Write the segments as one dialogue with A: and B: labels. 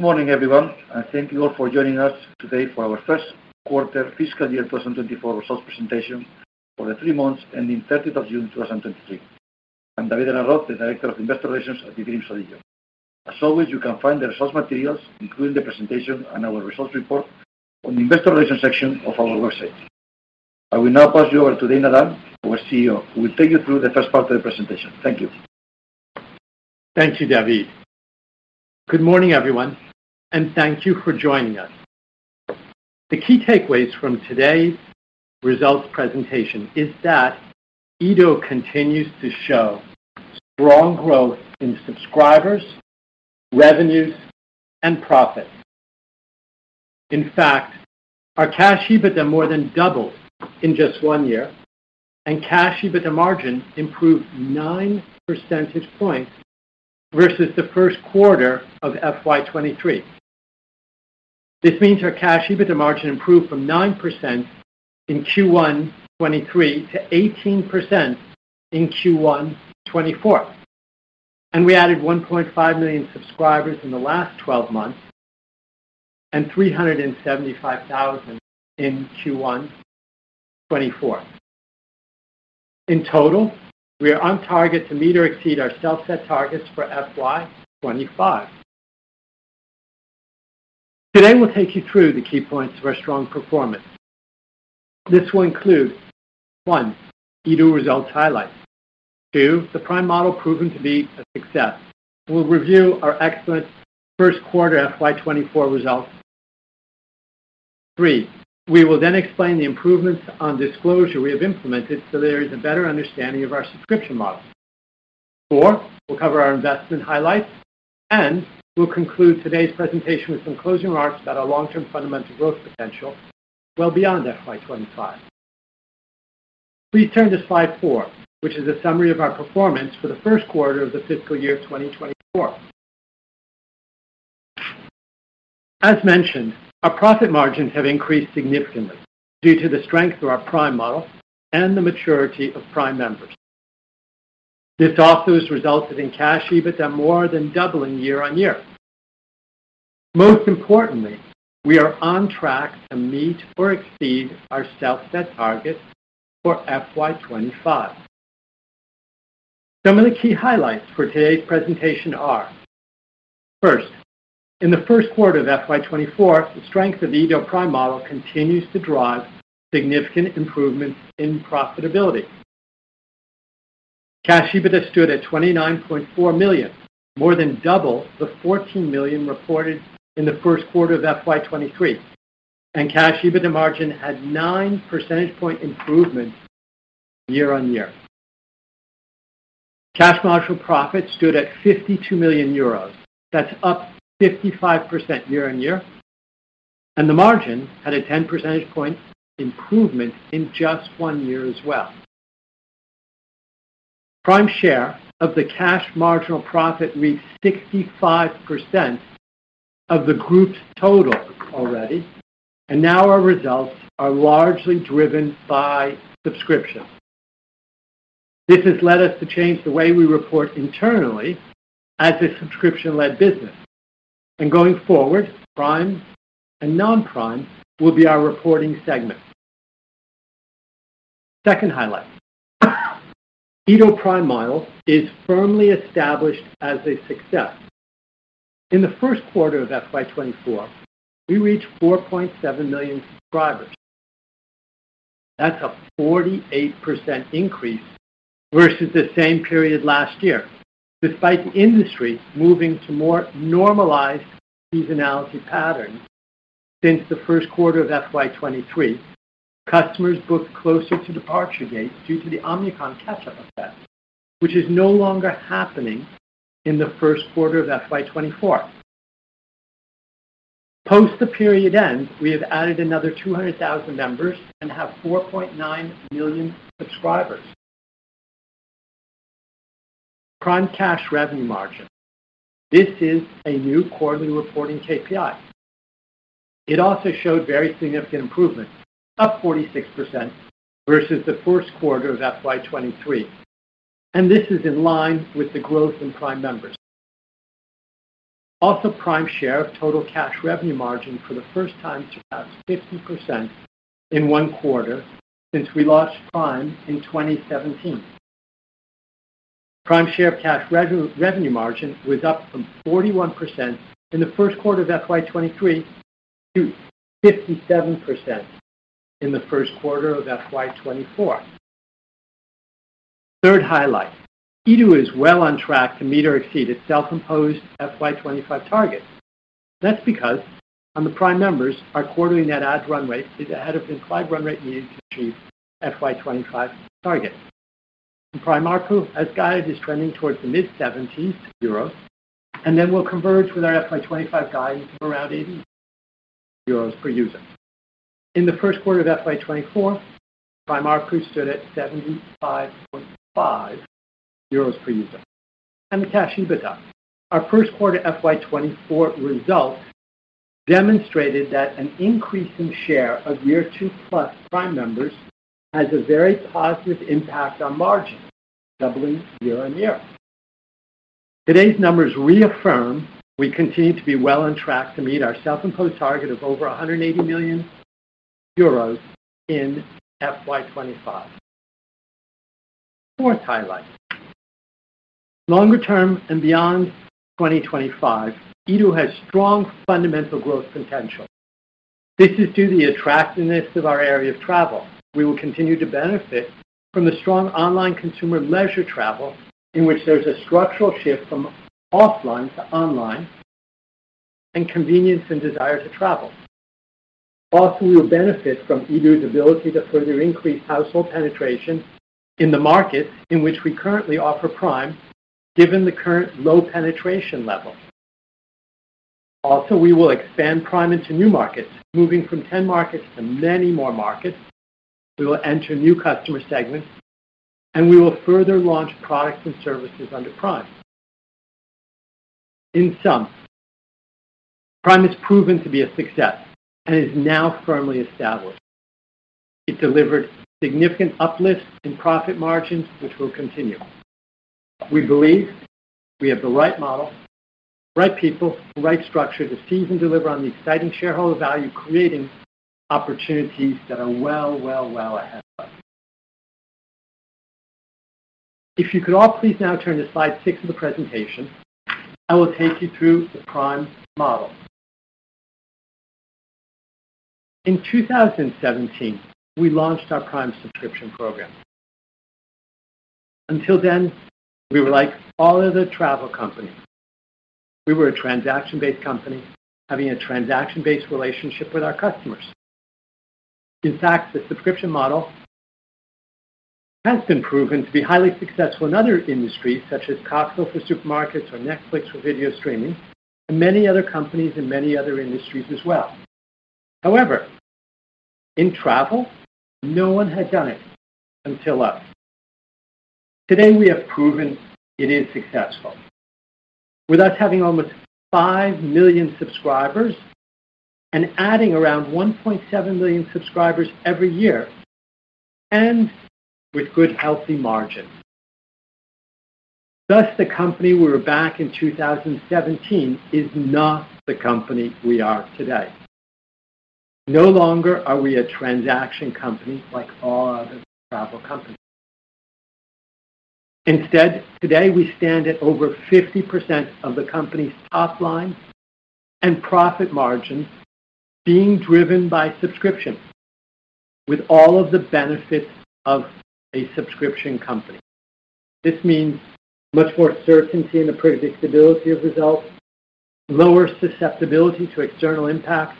A: Good morning, everyone, and thank you all for joining us today for our first quarter fiscal year 2024 results presentation for the three months ending 30 June 2023. I'm David de la Roz, the Director of Investor Relations at eDreams ODIGEO. As always, you can find the results materials, including the presentation and our results report, on the investor relations section of our website. I will now pass you over to Dana Dunne, our CEO, who will take you through the first part of the presentation. Thank you.
B: Thank you, David. Good morning, everyone, and thank you for joining us. The key takeaways from today's results presentation is that eDO continues to show strong growth in subscribers, revenues, and profit. In fact, our Cash EBITDA more than doubled in just one year, and Cash EBITDA margin improved 9 percentage points versus the first quarter of FY 2023. This means our Cash EBITDA margin improved from 9% in Q1 2023 to 18% in Q1 2024, and we added 1.5 million subscribers in the last twelve months and 375,000 in Q1 2024. In total, we are on target to meet or exceed our self-set targets for FY 2025. Today, we'll take you through the key points of our strong performance. This will include, one, eDO results highlights. Two, the Prime model proven to be a success. We'll review our excellent first quarter FY 2024 results. Three, we will then explain the improvements on disclosure we have implemented so there is a better understanding of our subscription model. Four, we'll cover our investment highlights, and we'll conclude today's presentation with some closing remarks about our long-term fundamental growth potential well beyond FY 2025. Please turn to slide 4, which is a summary of our performance for the first quarter of the fiscal year 2024. As mentioned, our profit margins have increased significantly due to the strength of our Prime model and the maturity of Prime members. This also has resulted in Cash EBITDA more than doubling year-on-year. Most importantly, we are on track to meet or exceed our self-set target for FY 2025. Some of the key highlights for today's presentation are: First, in the first quarter of FY 2024, the strength of the eDO Prime model continues to drive significant improvement in profitability. Cash EBITDA stood at 29.4 million, more than double the 14 million reported in the first quarter of FY 2023, and cash EBITDA margin had 9 percentage point improvement year-on-year. Cash marginal profit stood at 52 million euros. That's up 55% year-on-year, and the margin had a 10 percentage point improvement in just one year as well. Prime share of the cash marginal profit reached 65% of the group's total already, and now our results are largely driven by subscription. This has led us to change the way we report internally as a subscription-led business, and going forward, Prime and non-Prime will be our reporting segment. Second highlight, eDO Prime model is firmly established as a success. In the first quarter of FY 2024, we reached 4.7 million subscribers. That's a 48% increase versus the same period last year. Despite the industry moving to more normalized seasonality patterns since the first quarter of FY 2023, customers booked closer to departure dates due to the Omicron catch-up effect, which is no longer happening in the first quarter of FY 2024. Post the period end, we have added another 200,000 members and have 4.9 million subscribers. Prime cash revenue margin. This is a new quarterly reporting KPI. It also showed very significant improvement, up 46% versus the first quarter of FY 2023, and this is in line with the growth in Prime members. Also, Prime share of total cash revenue margin for the first time surpassed 50% in one quarter since we launched Prime in 2017. Prime share of cash revenue margin was up from 41% in the first quarter of FY 2023 to 57% in the first quarter of FY 2024. Third highlight, eDO is well on track to meet or exceed its self-imposed FY 2025 target. That's because on the Prime members, our quarterly net add runway is ahead of the implied runway needed to achieve FY 2025 target. Prime ARPU, as guided, is trending towards the EUR mid-70s, and then will converge with our FY 2025 guide of around 80 euros per user. In the first quarter of FY 2024, Prime ARPU stood at 75.5 euros per user. And the cash EBITDA. Our first quarter FY 2024 results-... demonstrated that an increase in share of year 2+ Prime members has a very positive impact on margin, doubling year-over-year. Today's numbers reaffirm we continue to be well on track to meet our self-imposed target of over 180 million euros in FY 2025. Fourth highlight. Longer term, and beyond 2025, eDO has strong fundamental growth potential. This is due to the attractiveness of our area of travel. We will continue to benefit from the strong online consumer leisure travel, in which there's a structural shift from offline to online, and convenience and desire to travel. Also, we will benefit from eDO's ability to further increase household penetration in the market in which we currently offer Prime, given the current low penetration level. Also, we will expand Prime into new markets, moving from 10 markets to many more markets. We will enter new customer segments, and we will further launch products and services under Prime. In sum, Prime has proven to be a success and is now firmly established. It delivered significant uplift in profit margins, which will continue. We believe we have the right model, right people, right structure to seize and deliver on the exciting shareholder value, creating opportunities that are well, well, well ahead of us. If you could all please now turn to slide 6 of the presentation, I will take you through the Prime model. In 2017, we launched our Prime subscription program. Until then, we were like all other travel companies. We were a transaction-based company, having a transaction-based relationship with our customers. In fact, the subscription model has been proven to be highly successful in other industries, such as Costco for supermarkets or Netflix for video streaming, and many other companies in many other industries as well. However, in travel, no one had done it until us. Today, we have proven it is successful. With us having almost 5 million subscribers and adding around 1.7 million subscribers every year, and with good, healthy margins. Thus, the company we were back in 2017 is not the company we are today. No longer are we a transaction company like all other travel companies. Instead, today, we stand at over 50% of the company's top line and profit margins being driven by subscription, with all of the benefits of a subscription company. This means much more certainty and the predictability of results, lower susceptibility to external impacts,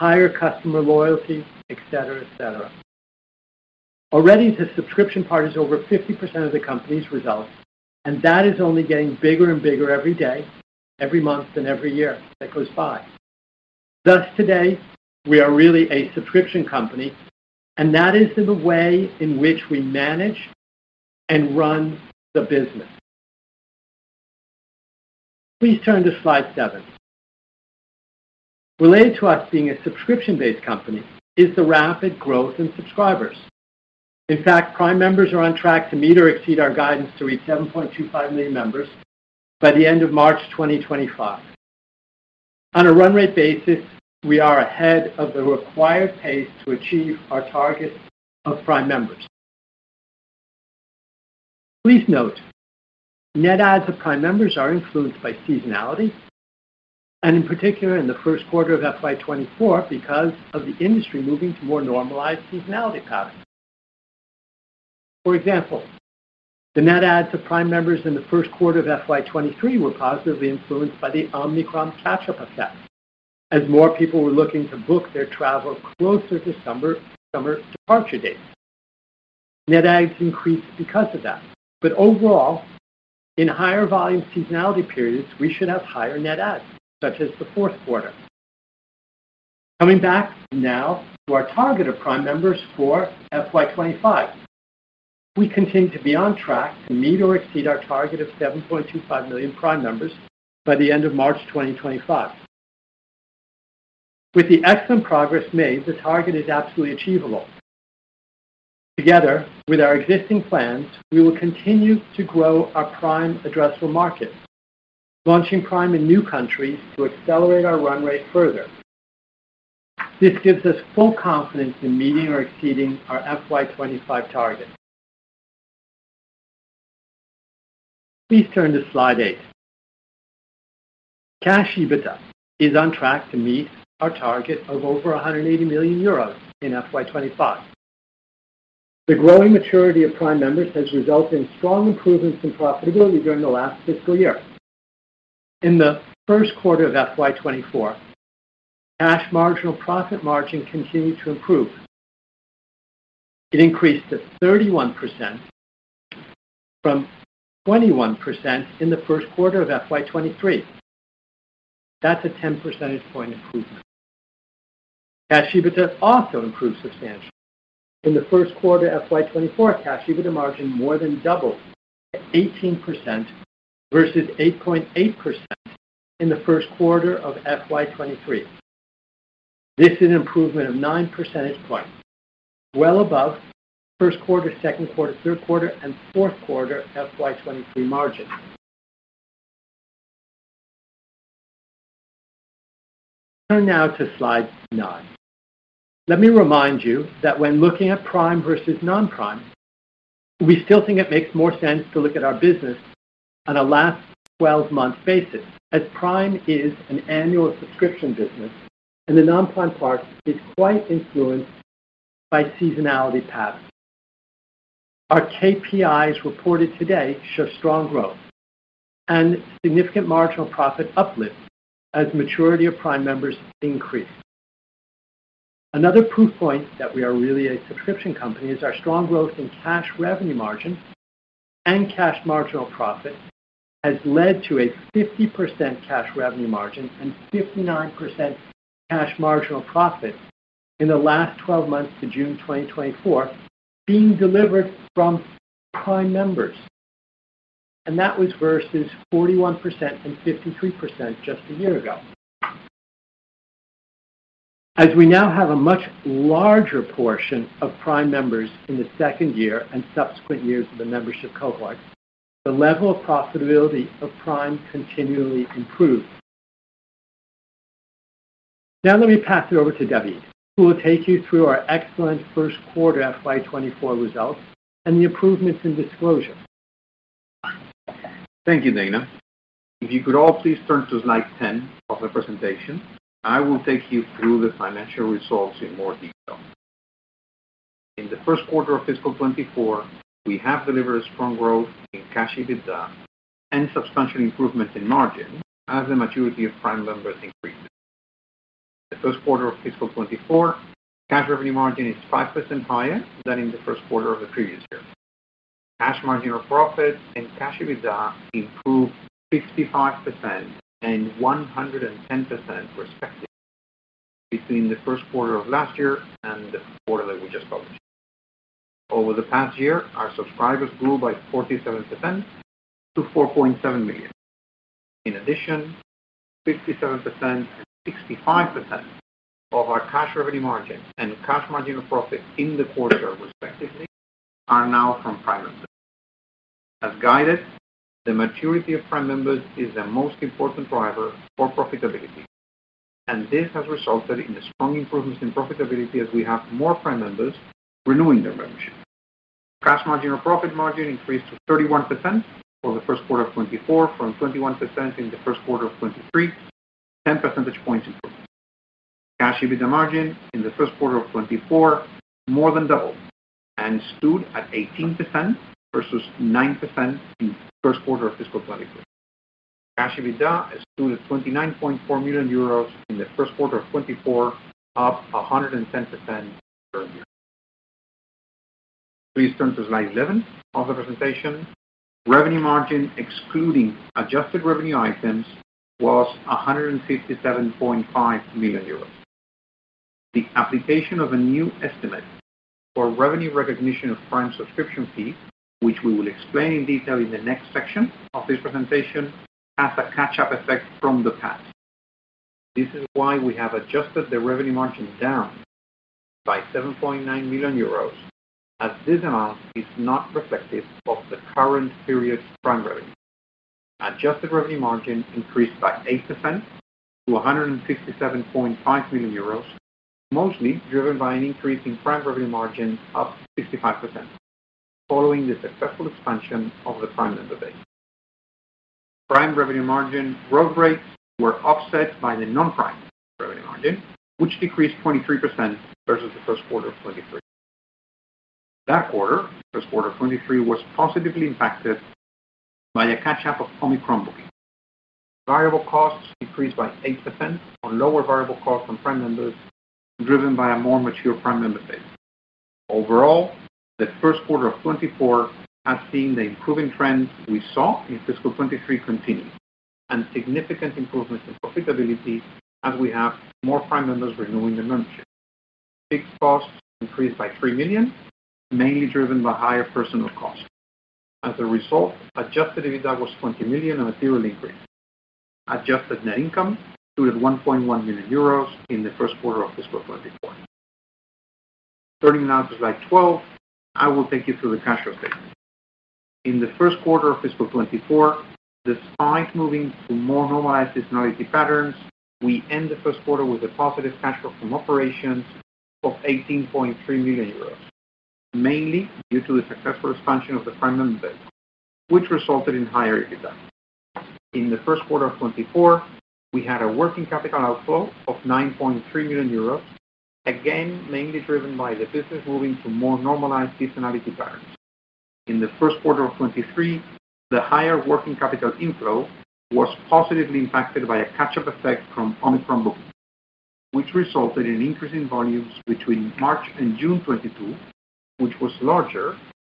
B: higher customer loyalty, et cetera, et cetera. Already, the subscription part is over 50% of the company's results, and that is only getting bigger and bigger every day, every month, and every year that goes by. Thus, today, we are really a subscription company, and that is the way in which we manage and run the business. Please turn to slide 7. Related to us being a subscription-based company is the rapid growth in subscribers. In fact, Prime members are on track to meet or exceed our guidance to reach 7.25 million members by the end of March 2025. On a run rate basis, we are ahead of the required pace to achieve our target of Prime members. Please note, net adds of Prime members are influenced by seasonality and, in particular, in the first quarter of FY 2024, because of the industry moving to more normalized seasonality patterns. For example, the net adds of Prime members in the first quarter of FY 2023 were positively influenced by the Omicron catch-up effect. As more people were looking to book their travel closer to summer, summer departure dates, net adds increased because of that. But overall, in higher volume seasonality periods, we should have higher net adds, such as the fourth quarter. Coming back now to our target of Prime members for FY 2025. We continue to be on track to meet or exceed our target of 7.25 million Prime members by the end of March 2025. With the excellent progress made, the target is absolutely achievable. Together, with our existing plans, we will continue to grow our Prime addressable market, launching Prime in new countries to accelerate our run rate further. This gives us full confidence in meeting or exceeding our FY 2025 target. Please turn to slide 8. Cash EBITDA is on track to meet our target of over 180 million euros in FY 2025. The growing maturity of Prime members has resulted in strong improvements in profitability during the last fiscal year. In the first quarter of FY 2024, cash marginal profit margin continued to improve. It increased to 31% from 21% in the first quarter of FY 2023. That's a 10 percentage point improvement. Cash EBITDA also improved substantially. In the first quarter, FY 2024, cash EBITDA margin more than doubled to 18% versus 8.8% in the first quarter of FY 2023. This is an improvement of 9 percentage points, well above first quarter, second quarter, third quarter, and fourth quarter FY 2023 margin. Turn now to slide 9. Let me remind you that when looking at Prime versus non-Prime, we still think it makes more sense to look at our business on a last 12-month basis, as Prime is an annual subscription business and the non-Prime part is quite influenced by seasonality patterns. Our KPIs reported today show strong growth and significant marginal profit uplift as maturity of Prime members increase. Another proof point that we are really a subscription company is our strong growth in cash revenue margin, and cash marginal profit has led to a 50% cash revenue margin and 59% cash marginal profit in the last 12 months to June 2024 being delivered from Prime members, and that was versus 41% and 53% just a year ago. As we now have a much larger portion of Prime members in the second year and subsequent years of the membership cohort, the level of profitability of Prime continually improves. Now, let me pass it over to David, who will take you through our excellent first quarter FY 2024 results and the improvements in disclosure.
A: Thank you, Dana. If you could all please turn to slide 10 of the presentation, I will take you through the financial results in more detail. In the first quarter of fiscal 2024, we have delivered strong growth in Cash EBITDA and substantial improvement in margin as the maturity of Prime members increased. The first quarter of fiscal 2024 Cash Revenue Margin is 5% higher than in the first quarter of the previous year. Cash Marginal Profit and Cash EBITDA improved 65% and 110%, respectively, between the first quarter of last year and the quarter that we just published. Over the past year, our subscribers grew by 47% to 4.7 million. In addition, 57% and 65% of our Cash Revenue Margin and Cash Marginal Profit in the quarter, respectively, are now from Prime members. As guided, the maturity of Prime members is the most important driver for profitability, and this has resulted in a strong improvement in profitability as we have more Prime members renewing their membership. Cash margin or profit margin increased to 31% for the first quarter of 2024, from 21% in the first quarter of 2023, 10 percentage points improvement. Cash EBITDA margin in the first quarter of 2024 more than doubled and stood at 18% versus 9% in the first quarter of fiscal 2023. Cash EBITDA stood at 29.4 million euros in the first quarter of 2024, up 110% year-over-year. Please turn to slide 11 of the presentation. Revenue margin, excluding adjusted revenue items, was 157.5 million euros. The application of a new estimate for revenue recognition of Prime subscription fee, which we will explain in detail in the next section of this presentation, has a catch-up effect from the past. This is why we have adjusted the revenue margin down by 7.9 million euros, as this amount is not reflective of the current period's Prime revenue. Adjusted revenue margin increased by 8% to 157.5 million euros, mostly driven by an increase in Prime revenue margin of 65%, following the successful expansion of the Prime member base. Prime revenue margin growth rates were offset by the non-Prime revenue margin, which decreased 23% versus the first quarter of 2023. That quarter, first quarter of 2023, was positively impacted by a catch-up of Omicron booking. Variable costs decreased by 8% on lower variable costs from Prime members, driven by a more mature Prime member base. Overall, the first quarter of 2024 has seen the improving trends we saw in fiscal 2023 continue and significant improvements in profitability as we have more Prime members renewing their membership. Fixed costs increased by 3 million, mainly driven by higher personnel costs. As a result, adjusted EBITDA was 20 million, a material increase. Adjusted net income stood at 1.1 million euros in the first quarter of fiscal 2024. Turning now to slide 12, I will take you through the cash flow statement. In the first quarter of fiscal 2024, despite moving to more normalized seasonality patterns, we end the first quarter with a positive cash flow from operations of 18.3 million euros, mainly due to the successful expansion of the Prime member base, which resulted in higher EBITDA. In the first quarter of 2024, we had a working capital outflow of 9.3 million euros, again, mainly driven by the business moving to more normalized seasonality patterns. In the first quarter of 2023, the higher working capital inflow was positively impacted by a catch-up effect from Omicron booking, which resulted in an increase in volumes between March and June 2022, which was larger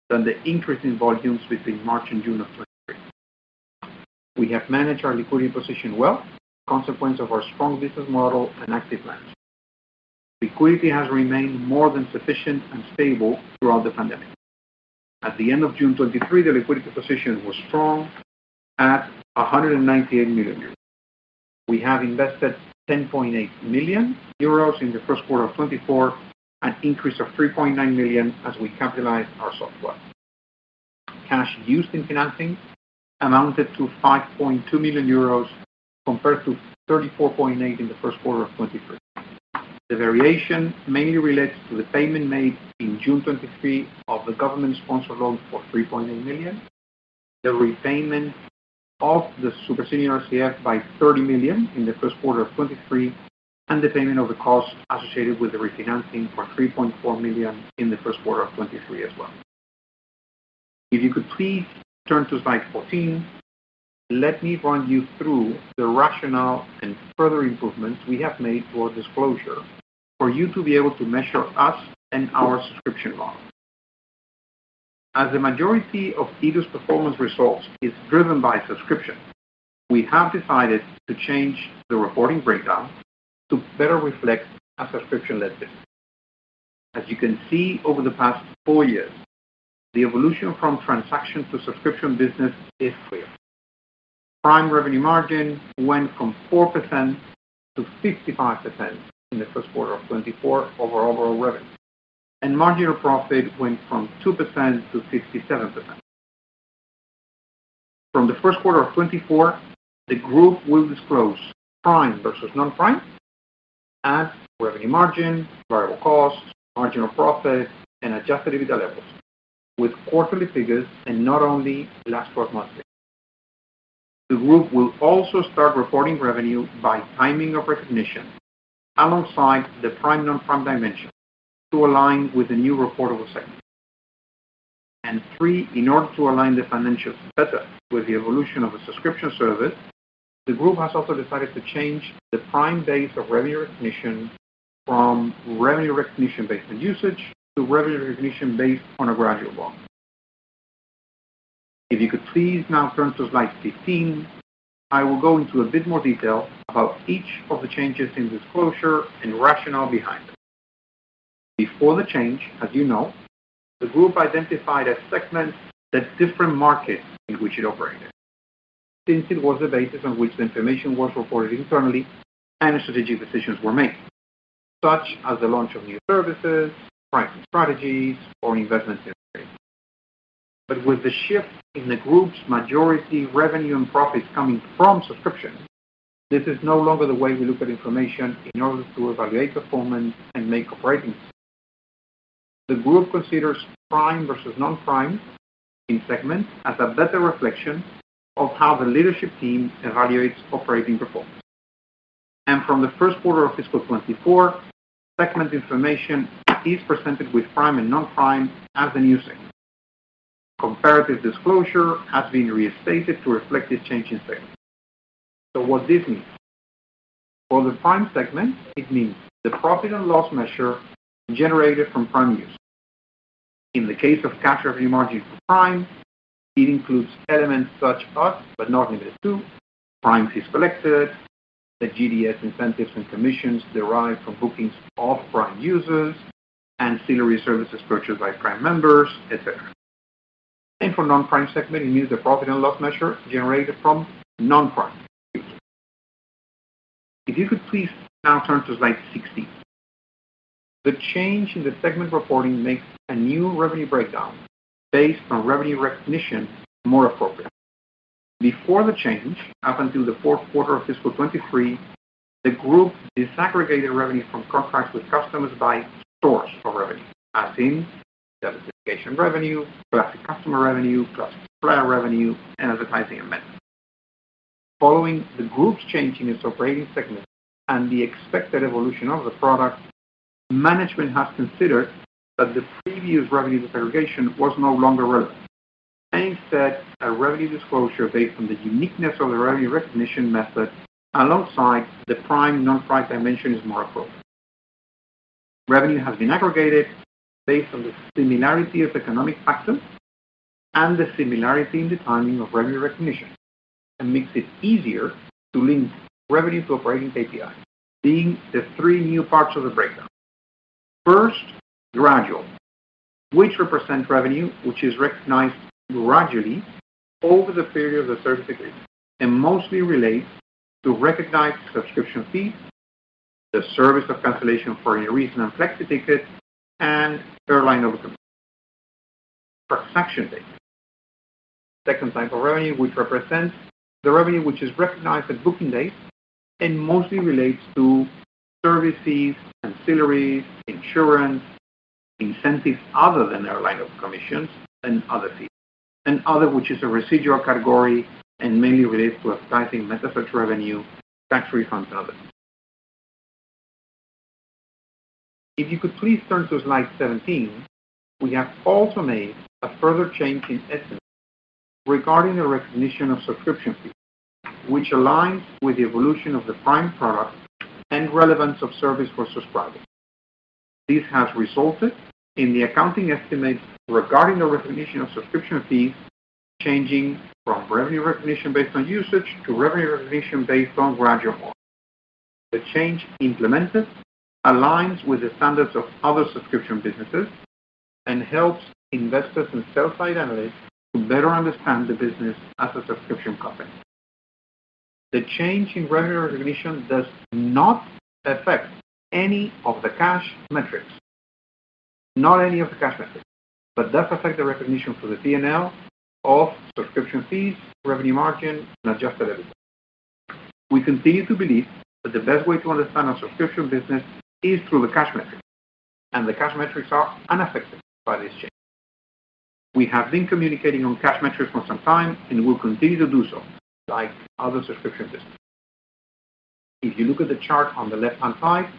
A: than the increase in volumes between March and June of 2023. We have managed our liquidity position well, consequence of our strong business model and active plans. Liquidity has remained more than sufficient and stable throughout the pandemic. At the end of June 2023, the liquidity position was strong at 198 million euros. We have invested 10.8 million euros in the first quarter of 2024, an increase of 3.9 million as we capitalize our software. Cash used in financing amounted to 5.2 million euros, compared to 34.8 million in the first quarter of 2023. The variation mainly relates to the payment made in June 2023 of the government-sponsored loan for 3.8 million, the repayment of the Super Senior RCF by 30 million in the first quarter of 2023, and the payment of the costs associated with the refinancing for 3.4 million in the first quarter of 2023 as well. If you could please turn to slide 14, let me run you through the rationale and further improvements we have made for disclosure, for you to be able to measure us and our subscription model. As the majority of eDO's performance results is driven by subscription, we have decided to change the reporting breakdown to better reflect a subscription-led business. As you can see, over the past 4 years, the evolution from transaction to subscription business is clear. Prime revenue margin went from 4% to 55% in the first quarter of 2024 over overall revenue, and marginal profit went from 2% to 57%. From the first quarter of 2024, the group will disclose prime versus non-prime, ad revenue margin, variable costs, marginal profit, and adjusted EBITDA levels with quarterly figures, and not only last twelve months. The group will also start reporting revenue by timing of recognition, alongside the prime, non-prime dimension to align with the new reportable segment. Three, in order to align the financials better with the evolution of a subscription service, the group has also decided to change the prime base of revenue recognition from revenue recognition based on usage to revenue recognition based on a gradual model. If you could please now turn to slide 15, I will go into a bit more detail about each of the changes in disclosure and rationale behind them. Before the change, as you know, the group identified a segment, the different markets in which it operated, since it was the basis on which the information was reported internally and strategic decisions were made, such as the launch of new services, pricing strategies, or investment generation. With the shift in the group's majority revenue and profits coming from subscription, this is no longer the way we look at information in order to evaluate performance and make operating. The group considers prime versus non-prime in segment as a better reflection of how the leadership team evaluates operating performance. From the first quarter of fiscal 2024, segment information is presented with prime and non-prime as the new segment. Comparative disclosure has been restated to reflect this change in segment. What this means? For the prime segment, it means the profit and loss measure generated from prime users. In the case of cash revenue margin for prime, it includes elements such as, but not limited to, prime fees collected, the GDS incentives and commissions derived from bookings of prime users, ancillary services purchased by prime members, et cetera. For non-prime segment, it means the profit and loss measure generated from non-prime. If you could please now turn to slide 16. The change in the segment reporting makes a new revenue breakdown based on revenue recognition more appropriate. Before the change, up until the fourth quarter of fiscal 2023, the group disaggregated revenue from contracts with customers by source of revenue, as in diversification revenue, classic customer revenue, supplier revenue, and advertising and meta. Following the group's change in its operating segment and the expected evolution of the product, management has considered that the previous revenue disaggregation was no longer relevant, and instead, a revenue disclosure based on the uniqueness of the revenue recognition method, alongside the prime, non-prime dimension, is more appropriate. Revenue has been aggregated based on the similarity of economic factors and the similarity in the timing of revenue recognition, and makes it easier to link revenue to operating KPI, being the 3 new parts of the breakdown. First, gradual, which represent revenue, which is recognized gradually over the period of the service agreement and mostly relates to recognized subscription fees, the service of cancellation for a reason and flexi ticket, and airline overrides. Second type of revenue, which represents the revenue which is recognized at booking date and mostly relates to service fees, ancillaries, insurance, incentives other than airline of commissions and other fees. And other, which is a residual category and mainly relates to advertising, meta search revenue, tax-free funds, and other. If you could please turn to slide 17. We have also made a further change in estimate regarding the recognition of subscription fees, which aligns with the evolution of the Prime product and relevance of service for subscribing.... This has resulted in the accounting estimates regarding the recognition of subscription fees, changing from revenue recognition based on usage to revenue recognition based on gradual model. The change implemented aligns with the standards of other subscription businesses and helps investors and sell-side analysts to better understand the business as a subscription company. The change in revenue recognition does not affect any of the cash metrics. Not any of the cash metrics, but does affect the recognition for the P&L of subscription fees, revenue margin, and adjusted EBIT. We continue to believe that the best way to understand our subscription business is through the cash metrics, and the cash metrics are unaffected by this change. We have been communicating on cash metrics for some time and will continue to do so, like other subscription businesses. If you look at the chart on the left-hand side,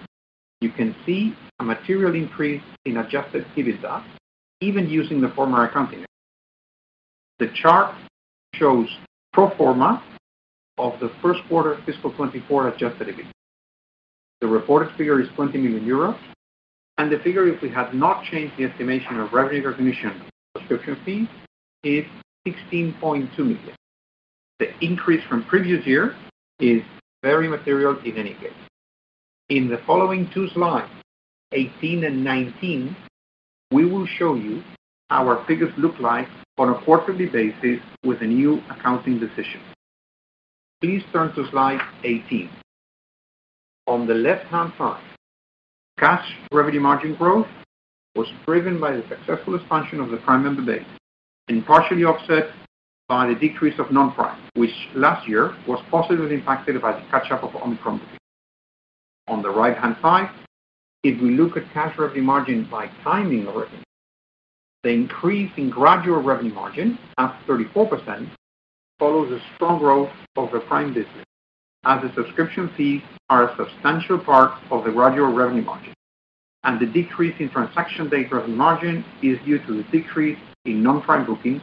A: you can see a material increase in adjusted EBITDA, even using the former accounting. The chart shows pro forma of the first quarter of fiscal 2024 adjusted EBIT. The reported figure is 20 million euros, and the figure, if we had not changed the estimation of revenue recognition subscription fee, is 16.2 million. The increase from previous year is very material in any case. In the following two slides, 18 and 19, we will show you how our figures look like on a quarterly basis with the new accounting decision. Please turn to slide 18. On the left-hand side, cash revenue margin growth was driven by the successful expansion of the prime member base and partially offset by the decrease of non-prime, which last year was positively impacted by the catch-up of Omicron. On the right-hand side, if we look at cash revenue margin by timing of revenue, the increase in gradual revenue margin, at 34%, follows a strong growth of the Prime business, as the subscription fees are a substantial part of the gradual revenue margin. The decrease in transaction date revenue margin is due to the decrease in non-prime booking,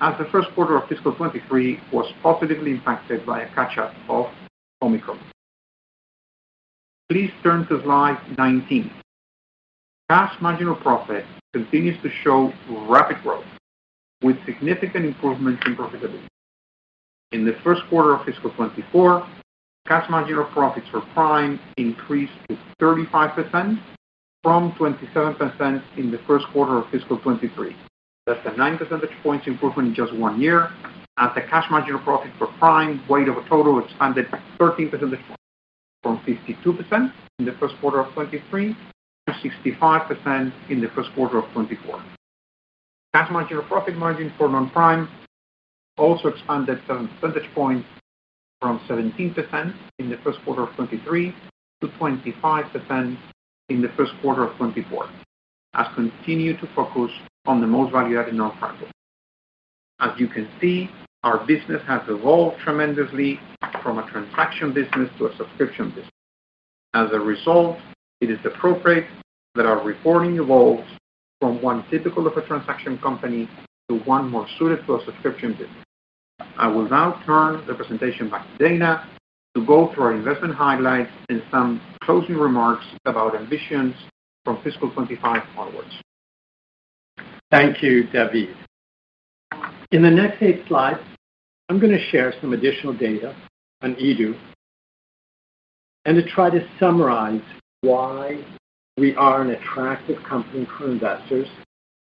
A: as the first quarter of fiscal 2023 was positively impacted by a catch-up of Omicron. Please turn to slide 19. Cash marginal profit continues to show rapid growth with significant improvements in profitability. In the first quarter of fiscal 2024, Cash Marginal Profits for Prime increased to 35% from 27% in the first quarter of fiscal 2023. That's a 9 percentage points improvement in just one year, as the Cash Marginal Profit for Prime weight of a total expanded 13 percentage points from 52% in the first quarter of 2023 to 65% in the first quarter of 2024. Cash Marginal Profit margin for non-Prime also expanded 7 percentage points from 17% in the first quarter of 2023 to 25% in the first quarter of 2024, as continue to focus on the most value-added non-Prime. As you can see, our business has evolved tremendously from a transaction business to a subscription business. As a result, it is appropriate that our reporting evolves from one typical of a transaction company to one more suited to a subscription business. I will now turn the presentation back to Dana to go through our investment highlights and some closing remarks about ambitions from fiscal 2025 onwards.
B: Thank you, David. In the next 8 slides, I'm going to share some additional data on eDO and to try to summarize why we are an attractive company for investors,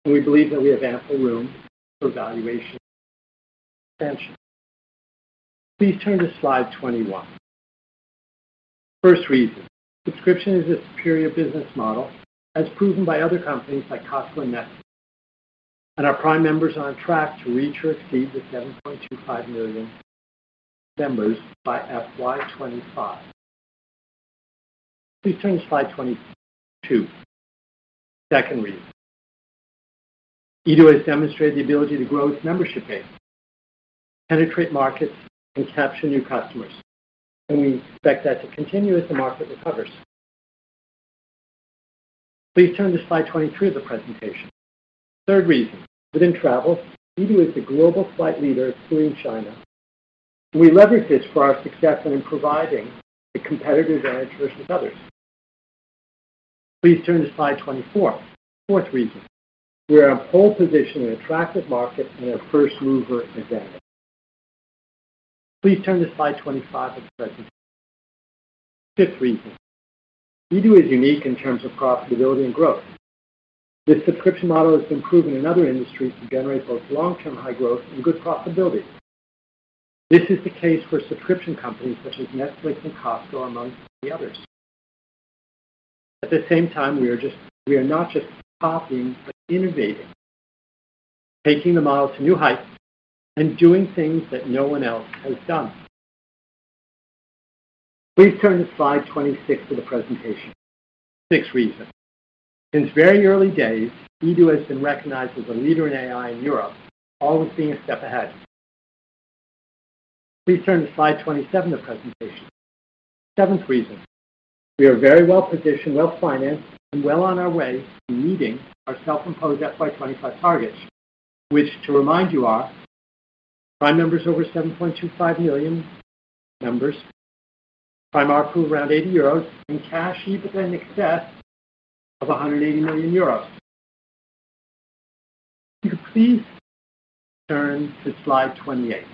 B: and we believe that we have ample room for valuation expansion. Please turn to slide 21. First reason, subscription is a superior business model, as proven by other companies like Costco and Netflix, and our Prime members are on track to reach or exceed the 7.25 million members by FY 2025. Please turn to slide 22. Second reason, eDO has demonstrated the ability to grow its membership base, penetrate markets, and capture new customers, and we expect that to continue as the market recovers. Please turn to slide 23 of the presentation. Third reason, within travel, eDO is the global flight leader, including China. We leverage this for our success and in providing a competitive advantage versus others. Please turn to slide 24. Fourth reason, we are in pole position in an attractive market and a first mover advantage. Please turn to slide 25 of the presentation. Fifth reason, eDO is unique in terms of profitability and growth. This subscription model has been proven in other industries to generate both long-term high growth and good profitability. This is the case for subscription companies such as Netflix and Costco, among the others. At the same time, we are not just copying, but innovating, taking the model to new heights, and doing things that no one else has done. Please turn to slide 26 of the presentation. Sixth reason, since very early days, eDO has been recognized as a leader in AI in Europe, always being a step ahead. Please turn to slide 27 of the presentation. 7th reason, we are very well-positioned, well-financed, and well on our way to meeting our self-imposed FY 2025 targets, which, to remind you, are Prime members over 7.25 million members. Prime ARPU around 80 euros, and cash EBITDA in excess of 180 million euros. If you could please turn to slide 28.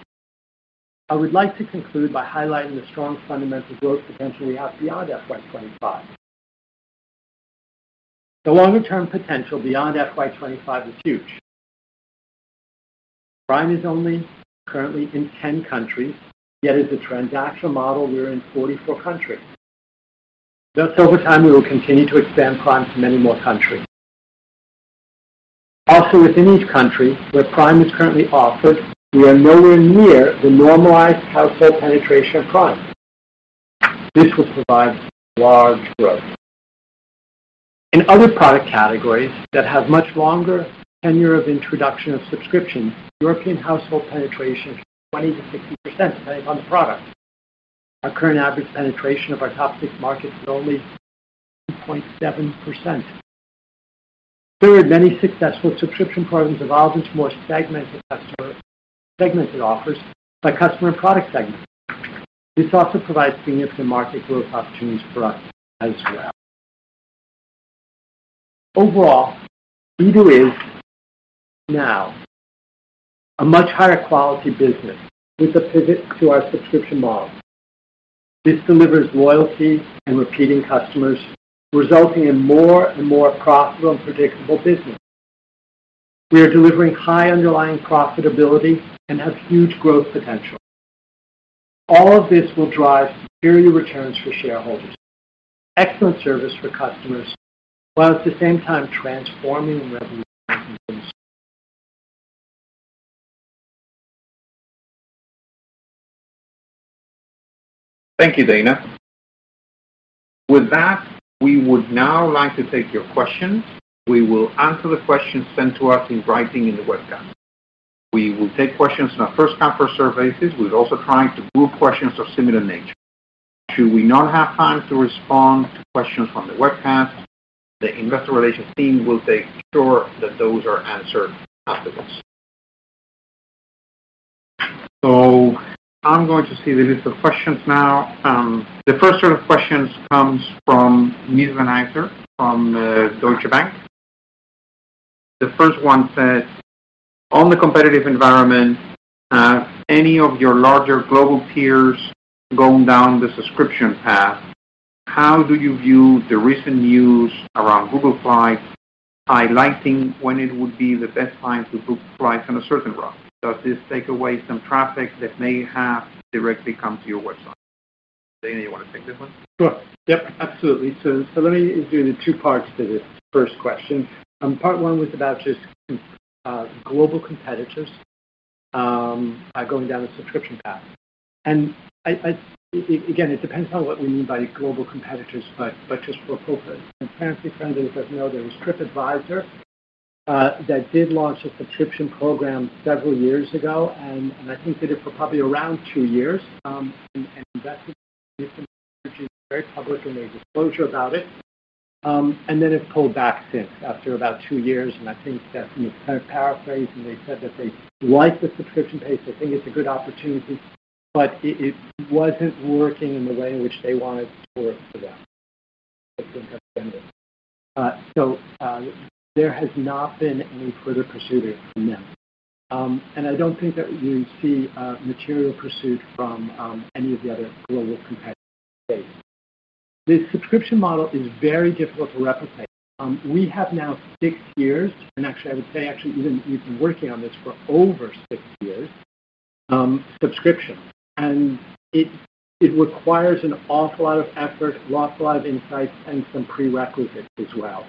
B: I would like to conclude by highlighting the strong fundamental growth potential we have beyond FY 2025. The longer-term potential beyond FY 2025 is huge. Prime is only currently in 10 countries, yet as a transaction model, we are in 44 countries. Thus, over time, we will continue to expand Prime to many more countries. Also, within each country where Prime is currently offered, we are nowhere near the normalized household penetration of Prime. This will provide large growth. In other product categories that have much longer tenure of introduction of subscription, European household penetration is 20%-60%, depending on the product. Our current average penetration of our top 6 markets is only 2.7%. We have many successful subscription programs evolved into more segmented customer segmented offers by customer and product segment. This also provides significant market growth opportunities for us as well. Overall, eDO is now a much higher quality business with a pivot to our subscription model. This delivers loyalty and repeating customers, resulting in more and more profitable and predictable business. We are delivering high underlying profitability and have huge growth potential. All of this will drive superior returns for shareholders, excellent service for customers, while at the same time transforming.
A: Thank you, Dana. With that, we would now like to take your questions. We will answer the questions sent to us in writing in the webcast. We will take questions on a first-come, first-served basis. We'll also try to group questions of similar nature. Should we not have time to respond to questions from the webcast, the investor relations team will make sure that those are answered afterwards. So I'm going to see the list of questions now. The first set of questions comes from Mies van Eijster from Deutsche Bank. The first one says: On the competitive environment, have any of your larger global peers gone down the subscription path? How do you view the recent news around Google Flights highlighting when it would be the best time to book flights on a certain route? Does this take away some traffic that may have directly come to your website? Dana, you want to take this one?
B: Sure. Yep, absolutely. So let me do the two parts to this first question. Part one was about just global competitors going down the subscription path. And I again, it depends on what we mean by global competitors, but just for full transparency, as you know, there is Tripadvisor that did launch a subscription program several years ago, and I think they did it for probably around two years. And that was very public, and made disclosure about it, and then it pulled back since after about two years, and I think that, you know, kind of paraphrasing, they said that they like the subscription base. They think it's a good opportunity, but it wasn't working in the way in which they wanted it to work for them.
A: Okay.
B: So, there has not been any further pursuit from them. And I don't think that you see a material pursuit from any of the other global competitors today. The subscription model is very difficult to replicate. We have now six years, and actually, I would say actually even we've been working on this for over six years, subscription, and it requires an awful lot of effort, awful lot of insights, and some prerequisites as well,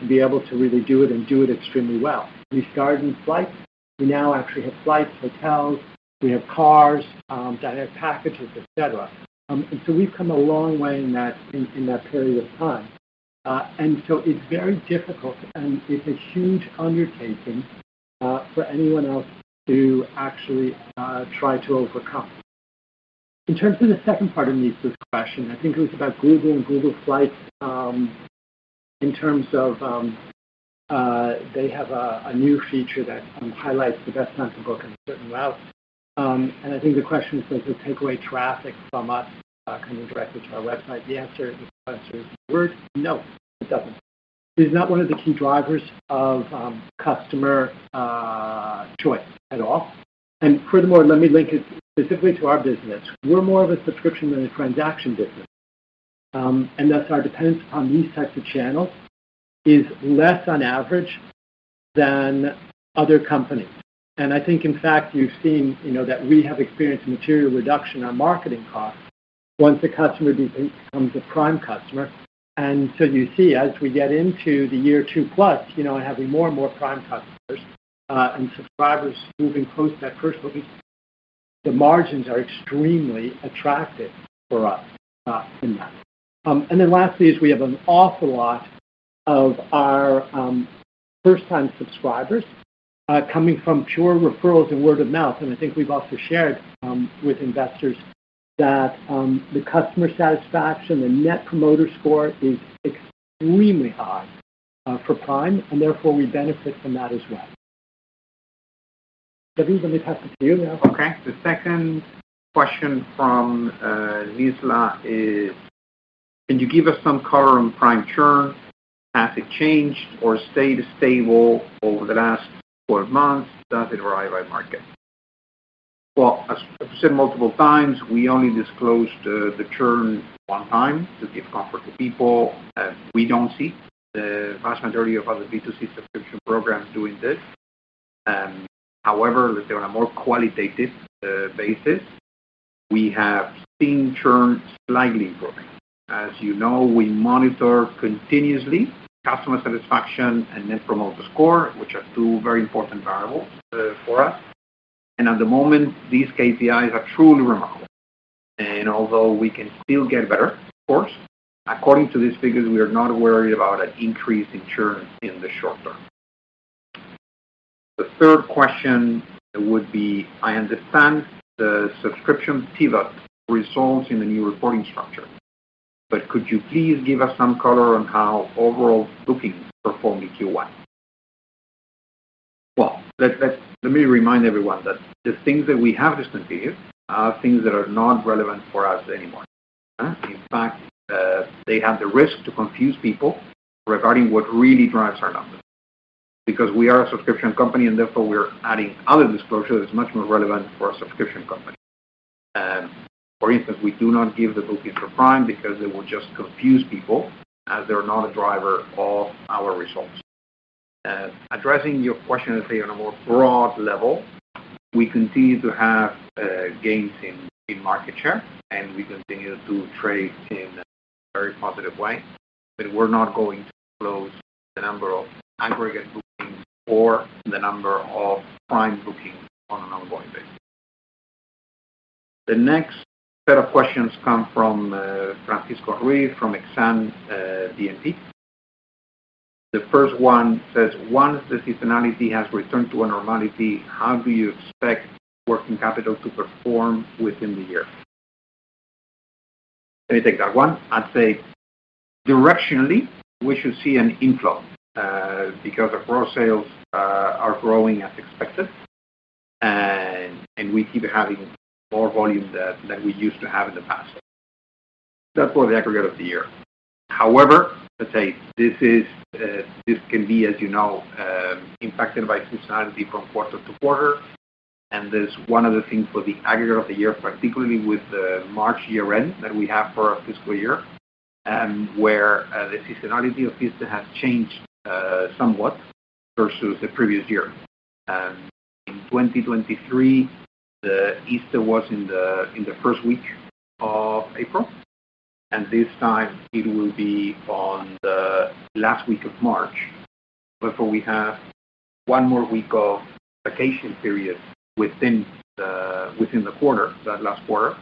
B: to be able to really do it, and do it extremely well. We started in flights. We now actually have flights, hotels, we have cars, dynamic packages, et cetera. And so we've come a long way in that, that period of time, and so it's very difficult, and it's a huge undertaking, for anyone else to actually try to overcome. In terms of the second part of Mies's question, I think it was about Google and Google Flights, in terms of, they have a new feature that highlights the best time to book on a certain route. And I think the question is, does this take away traffic from us, coming directly to our website? The answer, the answer is no. It doesn't. It is not one of the key drivers of customer choice at all. And furthermore, let me link it specifically to our business. We're more of a subscription than a transaction business, and thus our dependence on these types of channels is less on average than other companies. And I think, in fact, you've seen, you know, that we have experienced material reduction on marketing costs once the customer becomes a Prime customer. And so you see, as we get into the year two plus, you know, and having more and more Prime customers and subscribers moving close to that first booking, the margins are extremely attractive for us in that. And then lastly, is we have an awful lot of our first-time subscribers coming from pure referrals and word of mouth, and I think we've also shared with investors that the customer satisfaction, the Net Promoter Score, is extremely high for Prime, and therefore we benefit from that as well. David, let me pass it to you now.
A: Okay, the second question from Lisla is: Can you give us some color on Prime churn? Has it changed or stayed stable over the last 12 months? Does it vary by market? Well, as I've said multiple times, we only disclosed the churn one time to give comfort to people, and we don't see the vast majority of other B2C subscription programs doing this. However, let's say on a more qualitative basis, we have seen churn slightly improving. As you know, we monitor continuously customer satisfaction and Net Promoter Score, which are two very important variables for us. And at the moment, these KPIs are truly remarkable. And although we can still get better, of course, according to these figures, we are not worried about an increase in churn in the short term. The third question would be: I understand the subscription pivot results in a new reporting structure, but could you please give us some color on how overall bookings performed in Q1? Well, let me remind everyone that the things that we have discontinued are things that are not relevant for us anymore. In fact, they have the risk to confuse people regarding what really drives our numbers, because we are a subscription company, and therefore we are adding other disclosures much more relevant for a subscription company. For instance, we do not give the bookings for Prime because they will just confuse people, as they're not a driver of our results. Addressing your question, let's say on a more broad level, we continue to have gains in market share, and we continue to trade in a very positive way, but we're not going to disclose the number of aggregate bookings or the number of Prime bookings on an ongoing basis. The next set of questions come from Francisco Ruiz from Exane BNP. The first one says, "Once the seasonality has returned to a normality, how do you expect working capital to perform within the year?" Let me take that one. I'd say directionally, we should see an inflow because the raw sales are growing as expected, and we keep having more volume than we used to have in the past. That's for the aggregate of the year. However, let's say this is, this can be, as you know, impacted by seasonality from quarter to quarter. There's one other thing for the aggregate of the year, particularly with the March year-end that we have for our fiscal year, where the seasonality of Easter has changed somewhat versus the previous year. In 2023, Easter was in the first week of April, and this time it will be on the last week of March. Therefore, we have one more week of vacation period within the quarter, that last quarter.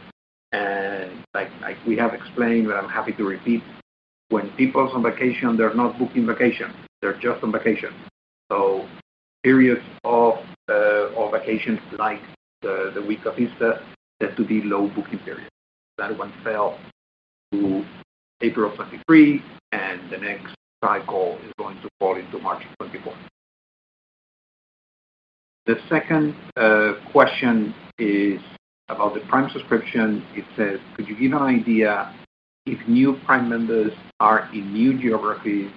A: And like we have explained, and I'm happy to repeat, when people are on vacation, they're not booking vacation, they're just on vacation. So periods of vacations like the week of Easter tend to be low booking periods. That one fell to April of 2023, and the next cycle is going to fall into March of 2024. The second question is about the Prime subscription. It says, "Could you give an idea if new Prime members are in new geographies,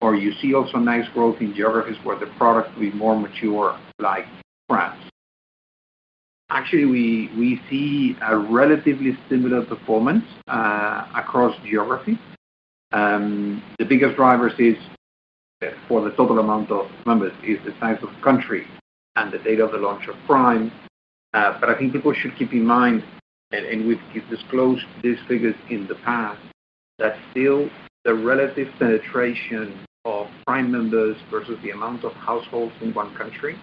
A: or you see also nice growth in geographies where the product will be more mature, like France?" Actually, we see a relatively similar performance across geographies. The biggest drivers is for the total amount of members, is the size of country and the date of the launch of Prime. But I think people should keep in mind, and we've disclosed these figures in the past, that still the relative penetration of Prime members versus the amount of households in one country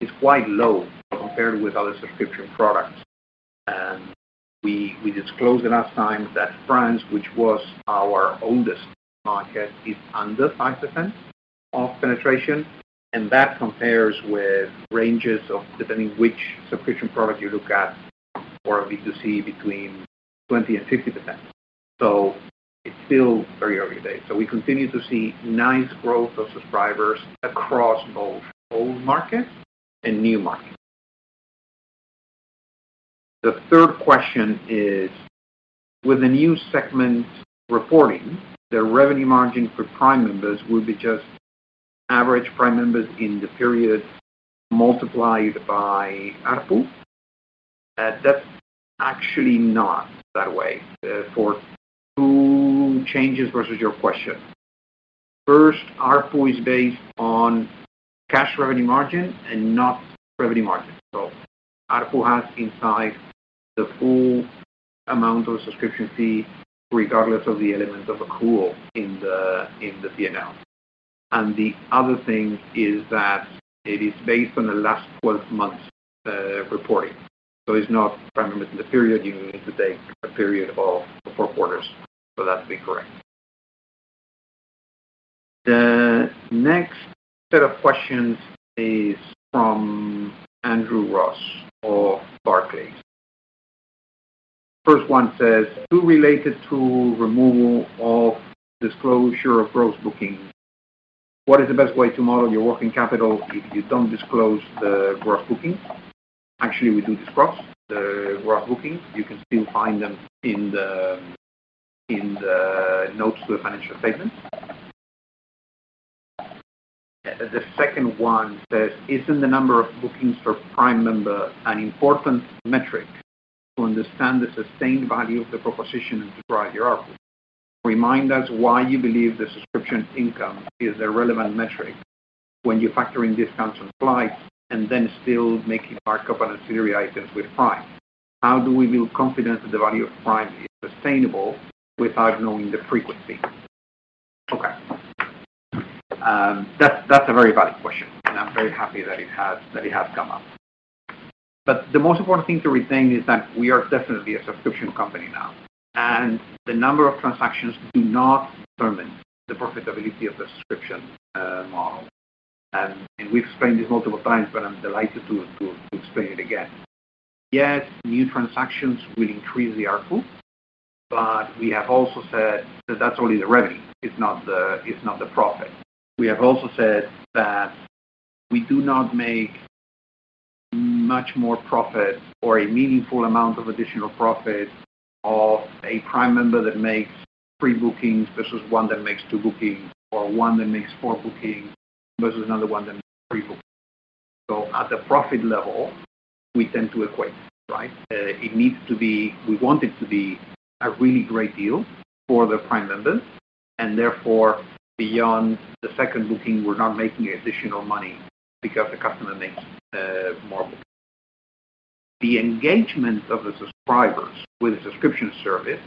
A: is quite low compared with other subscription products. We disclosed the last time that France, which was our oldest market, is under 5% of penetration, and that compares with ranges of, depending which subscription product you look at for a B2C, between 20%-50%. It's still very early days. We continue to see nice growth of subscribers across both old markets and new markets. The third question is: with the new segment reporting, the revenue margin for Prime members would be just average Prime members in the period multiplied by ARPU? That's actually not that way, for two changes versus your question. First, ARPU is based on cash revenue margin and not revenue margin. ARPU has inside the full amount of subscription fee, regardless of the element of accrual in the P&L. And the other thing is that it is based on the last twelve months reporting. So it's not Prime members in the period, you need to take a period of four quarters for that to be correct. The next set of questions is from Andrew Ross of Barclays.... First one says, two related to removal of disclosure of gross bookings. What is the best way to model your working capital if you don't disclose the gross bookings? Actually, we do disclose the gross bookings. You can still find them in the, in the notes to the financial statements. The second one says, Isn't the number of bookings for Prime Member an important metric to understand the sustained value of the proposition and drive your ARPU? Remind us why you believe the subscription income is a relevant metric when you factor in discounts on flights and then still making markup on auxiliary items with Prime? How do we build confidence that the value of Prime is sustainable without knowing the frequency? Okay, that's a very valid question, and I'm very happy that it has come up. But the most important thing to retain is that we are definitely a subscription company now, and the number of transactions do not determine the profitability of the subscription model. And we've explained this multiple times, but I'm delighted to explain it again. Yes, new transactions will increase the ARPU, but we have also said that that's only the revenue, it's not the profit. We have also said that we do not make much more profit or a meaningful amount of additional profit of a Prime member that makes 3 bookings versus one that makes 2 bookings, or one that makes 4 bookings versus another one that makes 3 bookings. So at the profit level, we tend to equate, right? It needs to be, we want it to be a really great deal for the Prime members, and therefore, beyond the second booking, we're not making additional money because the customer makes more bookings. The engagement of the subscribers with the subscription service,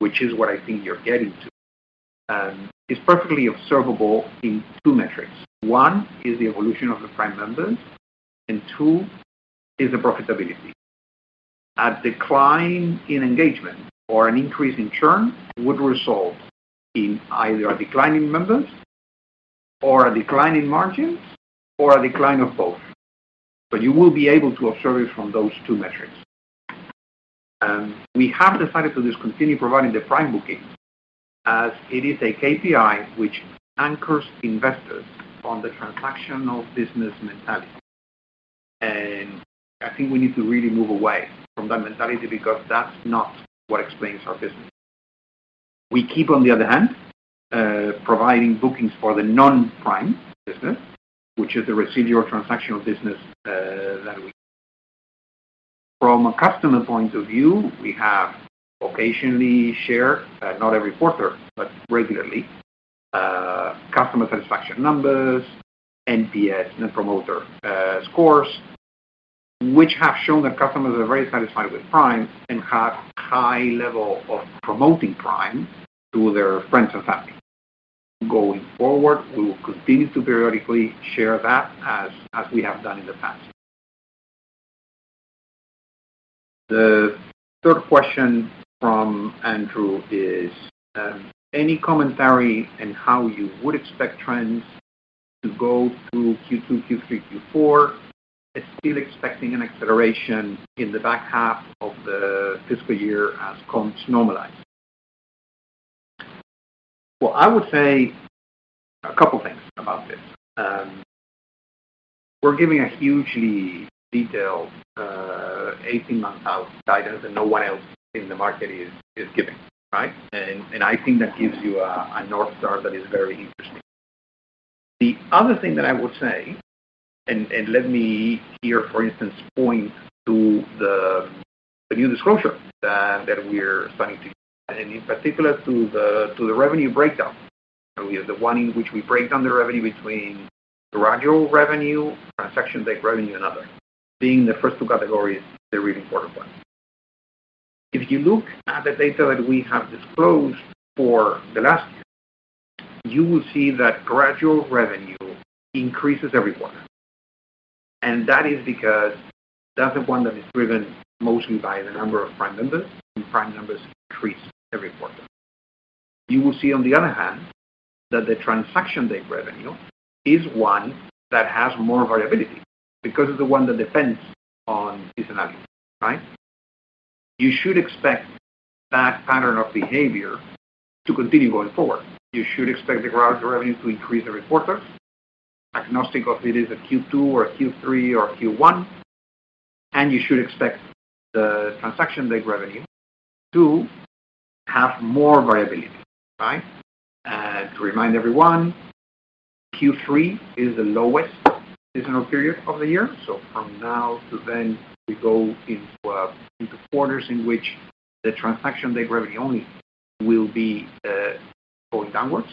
A: which is what I think you're getting to, is perfectly observable in 2 metrics. 1 is the evolution of the Prime members, and 2 is the profitability. A decline in engagement or an increase in churn would result in either a decline in members or a decline in margin, or a decline of both. But you will be able to observe it from those two metrics. We have decided to discontinue providing the Prime bookings as it is a KPI which anchors investors on the transactional business mentality. I think we need to really move away from that mentality because that's not what explains our business. We keep, on the other hand, providing bookings for the non-Prime business, which is the residual transactional business. From a customer point of view, we have occasionally shared, not every quarter, but regularly, customer satisfaction numbers, NPS, Net Promoter scores, which have shown that customers are very satisfied with Prime and have high level of promoting Prime to their friends and family. Going forward, we will continue to periodically share that as we have done in the past. The third question from Andrew is, any commentary on how you would expect trends to go through Q2, Q3, Q4, still expecting an acceleration in the back half of the fiscal year as comps normalize? Well, I would say a couple things about this. We're giving a hugely detailed, 18-month out guidance, and no one else in the market is giving, right? And I think that gives you a North Star that is very interesting. The other thing that I would say, and let me here, for instance, point to the new disclosure that we're starting to see, and in particular, to the revenue breakdown. We have the one in which we break down the revenue between recurring revenue, transaction-based revenue, and other, being the first two categories, the really important one. If you look at the data that we have disclosed for the last year, you will see that recurring revenue increases every quarter. And that is because that's the one that is driven mostly by the number of Prime members, and Prime members increase every quarter. You will see, on the other hand, that the transaction-based revenue is one that has more variability because it's the one that depends on seasonality, right? You should expect that pattern of behavior to continue going forward. You should expect the recurring revenue to increase every quarter, agnostic of it is a Q2 or a Q3 or a Q1, and you should expect the transaction-based revenue to have more variability, right? To remind everyone, Q3 is the lowest seasonal period of the year. So from now to then, we go into, into quarters in which the transaction date revenue only will be going downwards,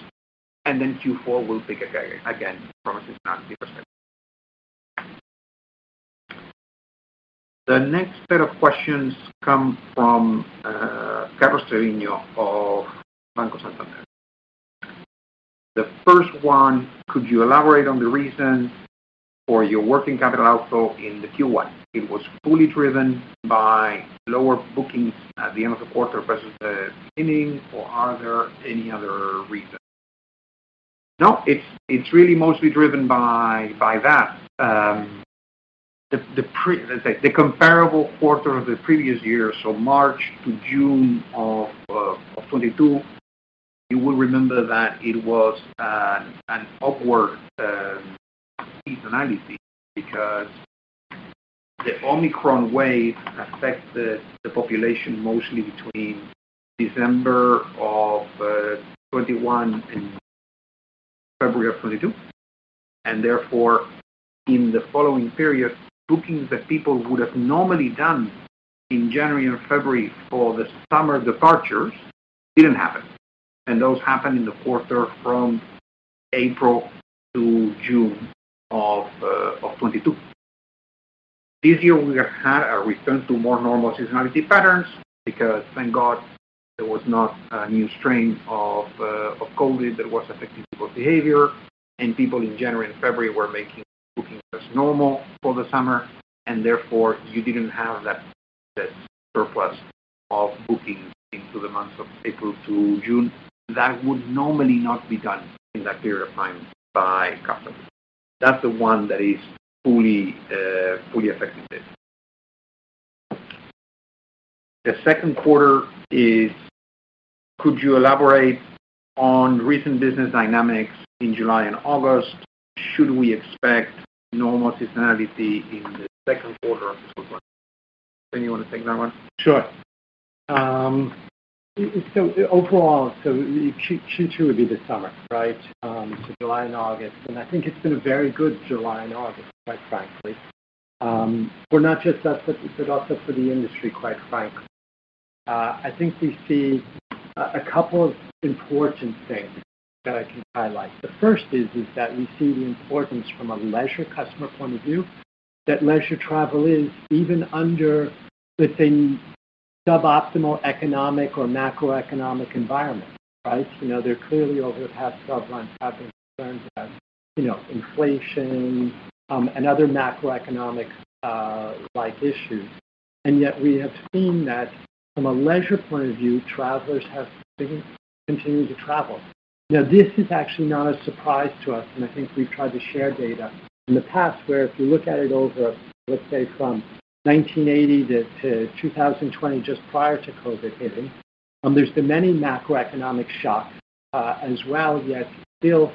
A: and then Q4 will pick again, from a seasonality perspective. The next set of questions come from Carlo Serino of Banco Santander. The first one, could you elaborate on the reason for your working capital outflow in the Q1? It was fully driven by lower bookings at the end of the quarter versus the beginning, or are there any other reasons? No, it's, it's really mostly driven by, by that. The comparable quarter of the previous year, so March to June of 2022, you will remember that it was an upward seasonality because the Omicron wave affected the population mostly between December of 2021 and February of 2022. And therefore, in the following period, bookings that people would have normally done in January and February for the summer departures didn't happen, and those happened in the quarter from April to June of 2022. This year, we have had a return to more normal seasonality patterns because, thank God, there was not a new strain of COVID that was affecting people's behavior, and people in January and February were making bookings as normal for the summer, and therefore, you didn't have that surplus of bookings into the months of April to June. That would normally not be done in that period of time by customers. That's the one that is fully, fully affected it. The second quarter is, could you elaborate on recent business dynamics in July and August? Should we expect normal seasonality in the second quarter of this one? Dana, you want to take that one?
B: Sure. So overall, Q2 would be the summer, right? So July and August, and I think it's been a very good July and August, quite frankly. Well, not just us, but also for the industry, quite frankly. I think we see a couple of important things that I can highlight. The first is that we see the importance from a leisure customer point of view, that leisure travel is even within a suboptimal economic or macroeconomic environment, right? You know, they're clearly over the past 12 months, having concerns about, you know, inflation, and other macroeconomic, like, issues. And yet we have seen that from a leisure point of view, travelers have been continuing to travel. Now, this is actually not a surprise to us, and I think we've tried to share data in the past, where if you look at it over, let's say, from 1980 to 2020, just prior to COVID hitting, there's been many macroeconomic shocks, as well, yet still,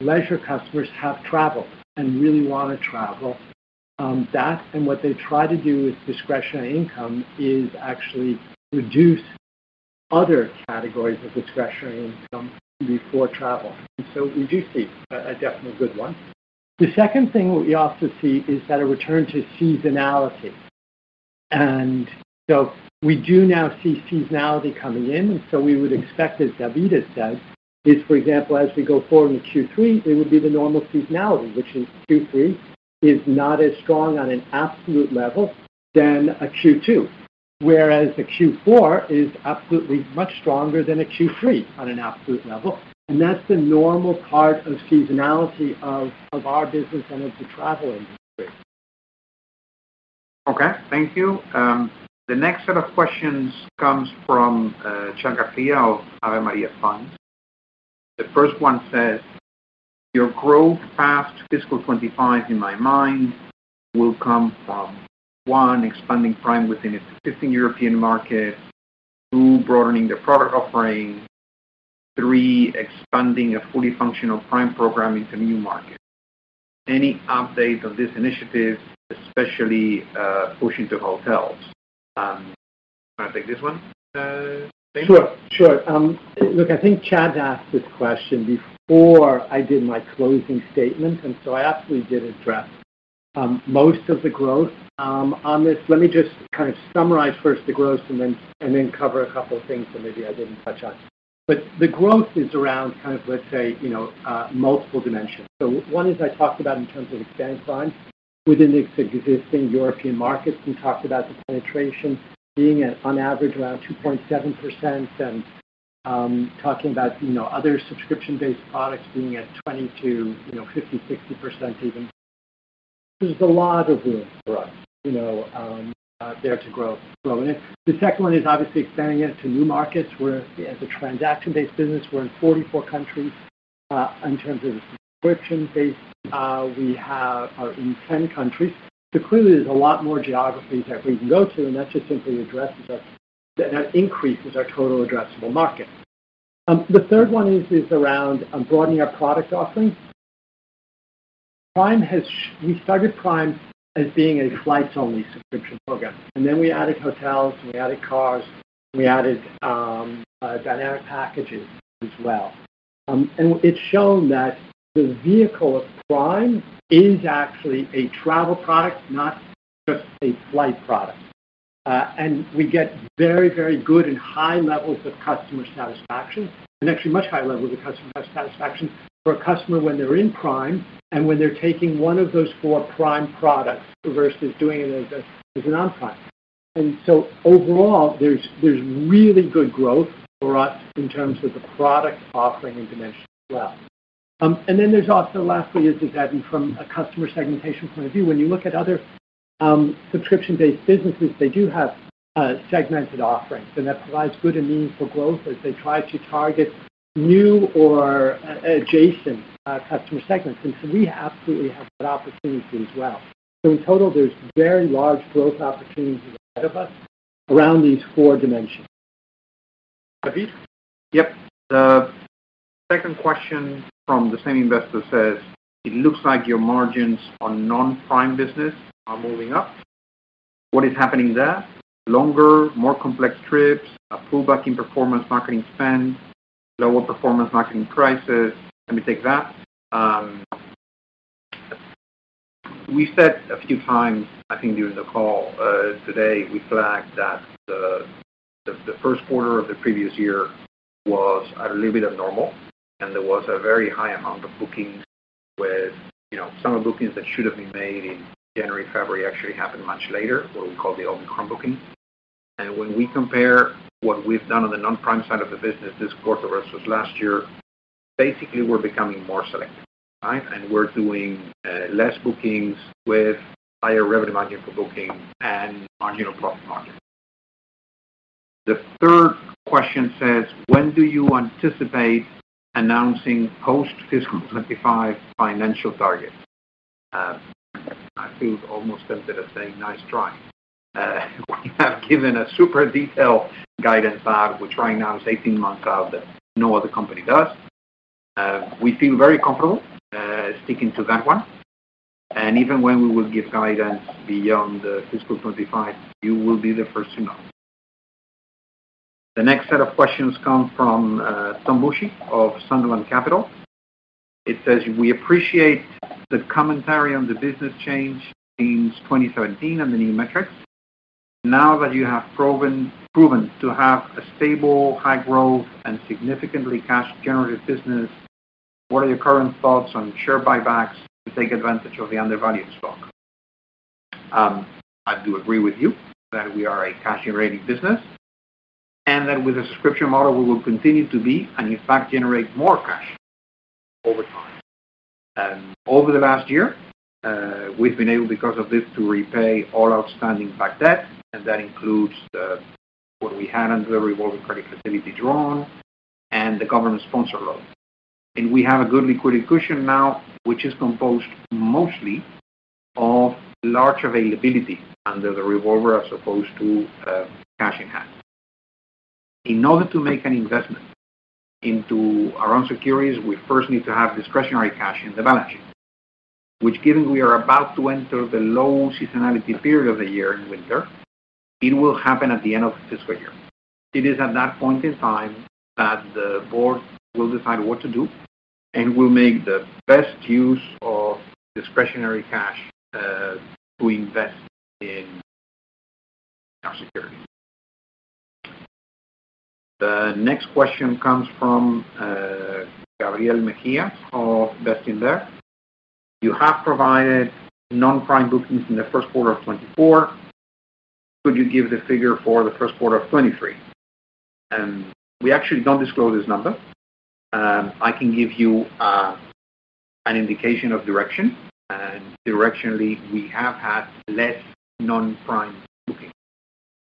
B: leisure customers have traveled and really want to travel. That and what they try to do with discretionary income is actually reduce other categories of discretionary income before travel. And so we do see a definite good one. The second thing we also see is that a return to seasonality. And so we do now see seasonality coming in, and so we would expect, as David said, for example, as we go forward with Q3, it would be the normal seasonality, which is Q3 is not as strong on an absolute level than a Q2, whereas a Q4 is absolutely much stronger than a Q3 on an absolute level. And that's the normal part of seasonality of our business and of the travel industry.
A: Okay, thank you. The next set of questions comes from Chadd Garcia of Ave Maria Funds. The first one says, "Your growth past fiscal 25, in my mind, will come from, one, expanding Prime within existing European market. Two, broadening the product offering. Three, expanding a fully functional Prime program into new markets. Any update on this initiative, especially pushing to hotels?" Want to take this one, Dana?
B: Sure, sure. Look, I think Chad asked this question before I did my closing statement, and so I actually did address most of the growth on this. Let me just kind of summarize first the growth and then cover a couple of things that maybe I didn't touch on. But the growth is around kind of, let's say, you know, multiple dimensions. So one is I talked about in terms of expanding Prime within the existing European markets. We talked about the penetration being at, on average, around 2.7%, and talking about, you know, other subscription-based products being at 20%-60% even. There's a lot of room for us, you know, there to grow in it. The second one is obviously expanding it to new markets, where as a transaction-based business, we're in 44 countries. In terms of subscription-based, we are in 10 countries. So clearly, there's a lot more geographies that we can go to, and that just simply addresses us, that increases our total addressable market. The third one is around broadening our product offerings. We started Prime as being a flights-only subscription program, and then we added hotels, and we added cars, and we added dynamic packaging as well. And it's shown that the vehicle of Prime is actually a travel product, not just a flight product. and we get very, very good and high levels of customer satisfaction, and actually much higher levels of customer satisfaction for a customer when they're in Prime and when they're taking one of those four Prime products versus doing it as a non-Prime. And so overall, there's really good growth for us in terms of the product offering and dimension as well. And then there's also, lastly, is that from a customer segmentation point of view, when you look at other subscription-based businesses, they do have segmented offerings, and that provides good and meaningful growth as they try to target new or adjacent customer segments. And so we absolutely have that opportunity as well. So in total, there's very large growth opportunities ahead of us around these four dimensions. David?
A: Yep. The second question from the same investor says: It looks like your margins on non-Prime business are moving up. What is happening there? Longer, more complex trips, a pullback in performance marketing spend, lower performance marketing prices. Let me take that. We said a few times, I think, during the call today, we flagged that the first quarter of the previous year was a little bit abnormal, and there was a very high amount of bookings with, you know, some of the bookings that should have been made in January, February, actually happened much later, what we call the Omicron booking. And when we compare what we've done on the non-Prime side of the business this quarter versus last year, basically, we're becoming more selective, right? And we're doing less bookings with higher revenue margin per booking and marginal profit margin. The third question says: When do you anticipate announcing post-fiscal 2025 financial targets? I feel almost tempted of saying, "Nice try." We have given a super detailed guidance that we're trying now 18 months out, that no other company does. We feel very comfortable sticking to that one, and even when we will give guidance beyond the fiscal 2025, you will be the first to know. The next set of questions come from Tom Bucci of Sunderland Capital. It says: We appreciate the commentary on the business change since 2017 and the new metrics. Now that you have proven, proven to have a stable, high-growth, and significantly cash-generative business, what are your current thoughts on share buybacks to take advantage of the undervalued stock? I do agree with you that we are a cash-generating business, and that with a subscription model, we will continue to be, and in fact, generate more cash over time. And over the last year, we've been able, because of this, to repay all outstanding bank debt, and that includes the, what we had under the revolving credit facility drawn and the government-sponsored loan. And we have a good liquidity cushion now, which is composed mostly of large availability under the revolver as opposed to, cash in hand. In order to make an investment into our own securities, we first need to have discretionary cash in the balance sheet, which, given we are about to enter the low seasonality period of the year in winter, it will happen at the end of the fiscal year. It is at that point in time that the board will decide what to do, and we'll make the best use of discretionary cash to invest in our security. The next question comes from Gabriel Mejía of Bestinver. You have provided non-Prime bookings in the first quarter of 2024. Could you give the figure for the first quarter of 2023? We actually don't disclose this number. I can give you an indication of direction, and directionally, we have had less non-Prime booking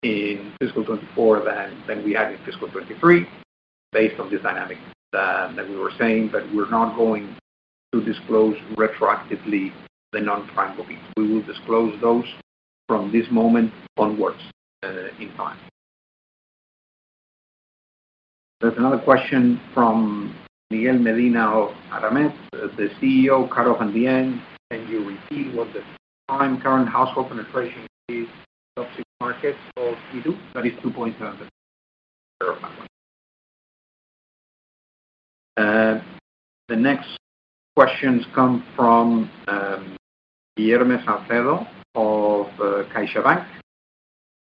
A: in fiscal 2024 than we had in fiscal 2023, based on this dynamic that we were saying, but we're not going to disclose retroactively the non-Prime bookings. We will disclose those from this moment onwards in time. There's another question from Miguel Medina of ArmanexT. The CEO, Carlo Jandian, can you repeat what the Prime current household penetration is in the top six markets today? That is 2.7. The next questions come from Guilherme Sampaio of CaixaBank.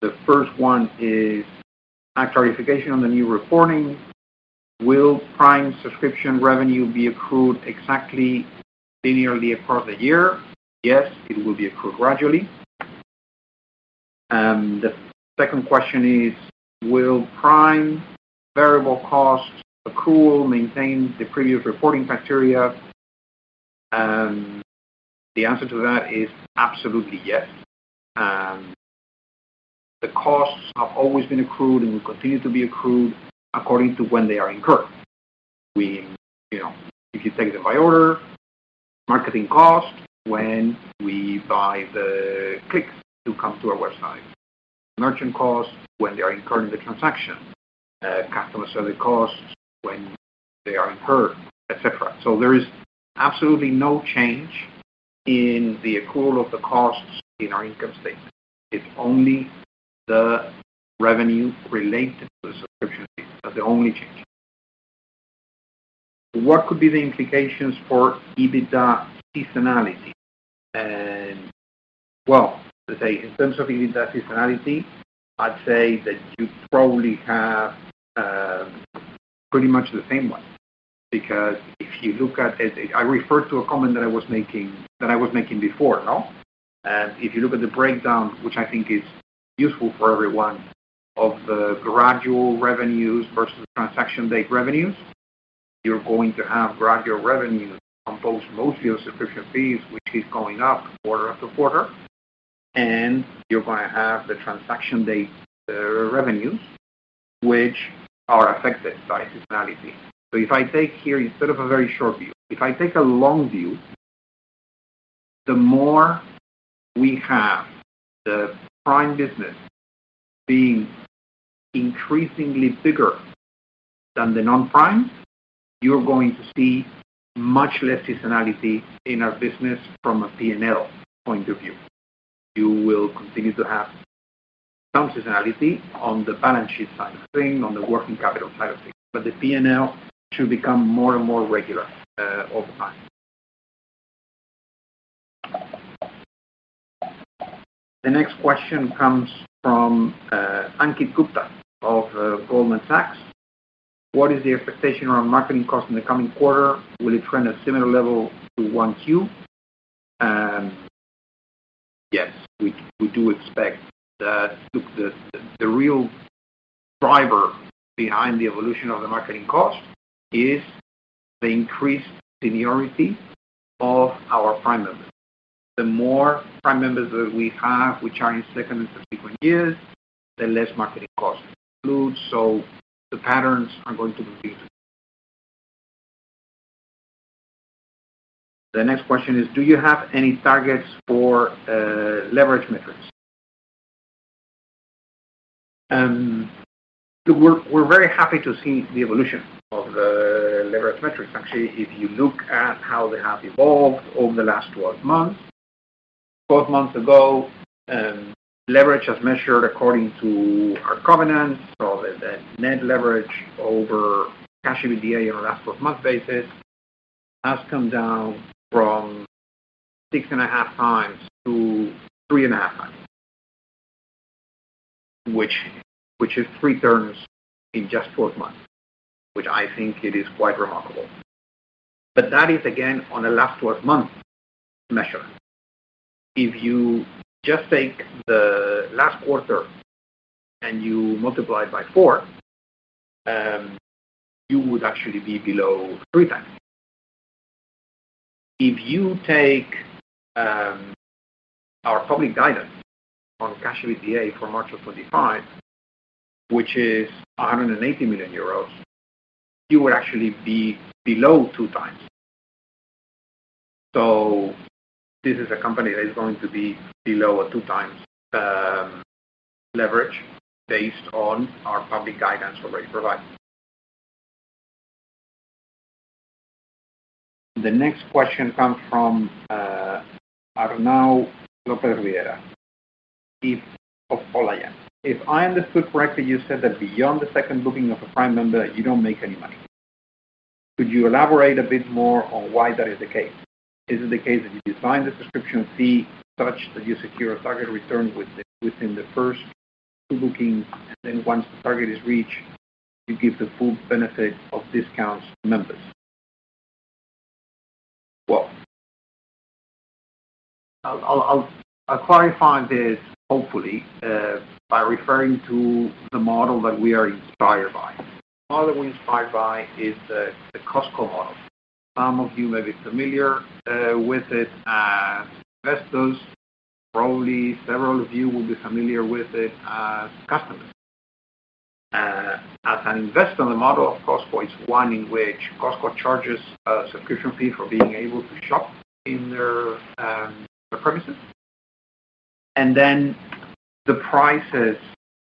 A: The first one is a clarification on the new reporting. Will Prime subscription revenue be accrued exactly linearly across the year? Yes, it will be accrued gradually. The second question is: Will Prime variable cost accrual maintain the previous reporting criteria? The answer to that is absolutely yes. The costs have always been accrued and will continue to be accrued according to when they are incurred. You know, if you take them by order, marketing costs, when we buy the clicks to come to our website, merchant costs, when they are incurred in the transaction, customer service costs when they are incurred, et cetera. So there is absolutely no change in the accrual of the costs in our income statement. It's only the revenue related to the subscription fee. That's the only change. What could be the implications for EBITDA seasonality? Well, let's say in terms of EBITDA seasonality, I'd say that you probably have pretty much the same one, because if you look at it... I referred to a comment that I was making before, no? And if you look at the breakdown, which I think is useful for everyone of the gradual revenues versus transaction date revenues. You're going to have gradual revenues composed mostly of subscription fees, which is going up quarter after quarter, and you're going to have the transaction date revenues, which are affected by seasonality. So if I take here, instead of a very short view, if I take a long view, the more we have the prime business being increasingly bigger than the non-prime, you're going to see much less seasonality in our business from a P&L point of view. You will continue to have some seasonality on the balance sheet side of things, on the working capital side of things, but the P&L should become more and more regular over time. The next question comes from Ankit Gupta of Goldman Sachs: What is the expectation around marketing costs in the coming quarter? Will it trend a similar level to 1Q? Yes, we do expect that. Look, the real driver behind the evolution of the marketing cost is the increased seniority of our prime members. The more Prime members that we have, which are in second and subsequent years, the less marketing costs include. So the patterns are going to be big. The next question is: Do you have any targets for leverage metrics? We're very happy to see the evolution of the leverage metrics. Actually, if you look at how they have evolved over the last 12 months, 12 months ago, leverage as measured according to our covenants. So the net leverage over Cash EBITDA on a last 12-month basis has come down from 6.5 times to 3.5 times, which is three turns in just 12 months, which I think it is quite remarkable. But that is, again, on a last 12-month measure. If you just take the last quarter and you multiply it by four, you would actually be below three times. If you take our public guidance on Cash EBITDA for March of 2025, which is 180 million euros, you would actually be below two times. So this is a company that is going to be below a two times leverage based on our public guidance already provided. The next question comes from Arnau López Riera of Olayan. If I understood correctly, you said that beyond the second booking of a prime member, you don't make any money. Could you elaborate a bit more on why that is the case? Is it the case that you design the subscription fee such that you secure a target return within the first two bookings, and then once the target is reached, you give the full benefit of discounts to members? Well, I'll clarify this, hopefully, by referring to the model that we are inspired by. The model we're inspired by is the Costco model. Some of you may be familiar with it as investors. Probably several of you will be familiar with it as customers. As an investor, the model of Costco is one in which Costco charges a subscription fee for being able to shop in their premises, and then the prices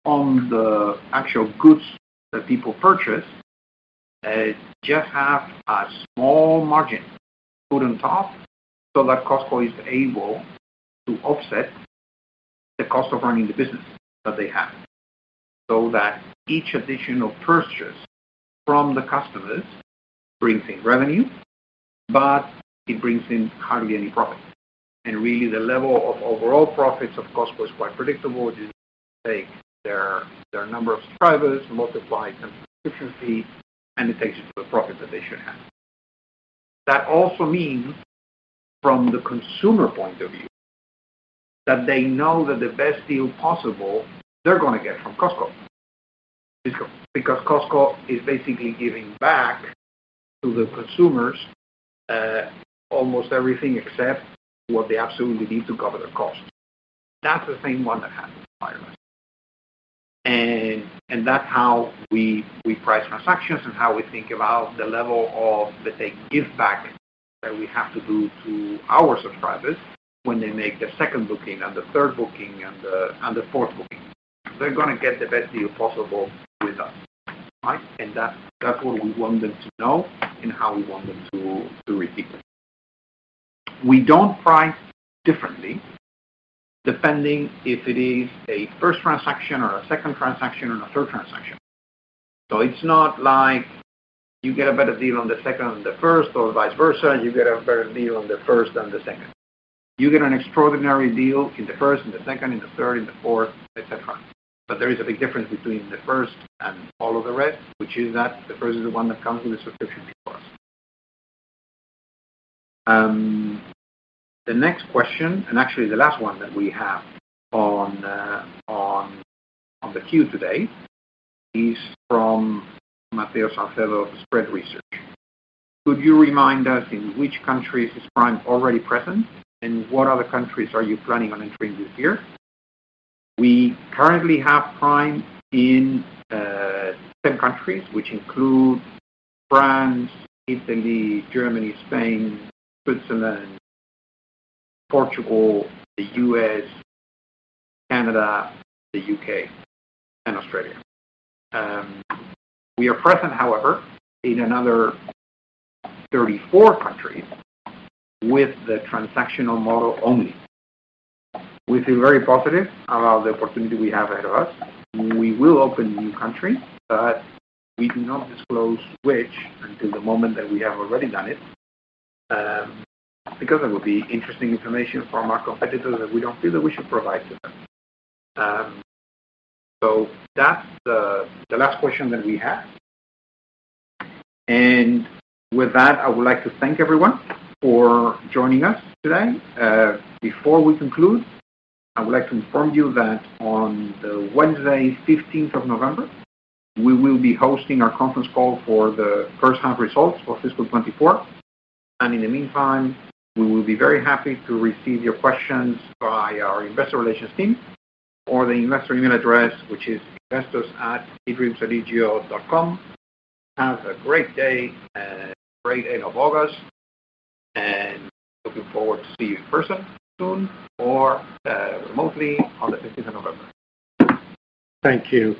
A: on the actual goods that people purchase just have a small margin put on top so that Costco is able to offset the cost of running the business that they have. So that each additional purchase from the customers brings in revenue, but it brings in hardly any profit. And really, the level of overall profits of Costco is quite predictable, just take their number of subscribers, multiply subscription fee, and it takes you to the profit that they should have. That also means from the consumer point of view, that they know that the best deal possible, they're going to get from Costco. Because Costco is basically giving back to the consumers almost everything except what they absolutely need to cover their cost. That's the same one that happens in environment. And that's how we price transactions and how we think about the level of the take give back that we have to do to our subscribers when they make the second booking and the third booking and the fourth booking. They're going to get the best deal possible with us, right? And that's what we want them to know and how we want them to repeat it. We don't price differently, depending if it is a first transaction or a second transaction or a third transaction. So it's not like you get a better deal on the second or the first, or vice versa, you get a better deal on the first than the second. You get an extraordinary deal in the first and the second, in the third, in the fourth, etc. But there is a big difference between the first and all of the rest, which is that the first is the one that comes with a subscription fee. The next question, and actually the last one that we have on the queue today, is from Mateo Salcedo of Spread Research. Could you remind us in which countries is Prime already present, and what other countries are you planning on entering this year? We currently have Prime in ten countries, which include France, Italy, Germany, Spain, Switzerland, Portugal, the U.S., Canada, the U.K., and Australia. We are present, however, in another 34 countries with the transactional model only. We feel very positive about the opportunity we have ahead of us. We will open new countries, but we do not disclose which until the moment that we have already done it, because it would be interesting information from our competitors that we don't feel that we should provide to them. So that's the last question that we have. And with that, I would like to thank everyone for joining us today. Before we conclude, I would like to inform you that on the Wednesday, fifteenth of November, we will be hosting our conference call for the first half results for fiscal 2024. And in the meantime, we will be very happy to receive your questions via our investor relations team or the investor email address, which is investors@edreamsodigeo.com. Have a great day and a great end of August, and looking forward to see you in person soon or remotely on the fifteenth of November. Thank you.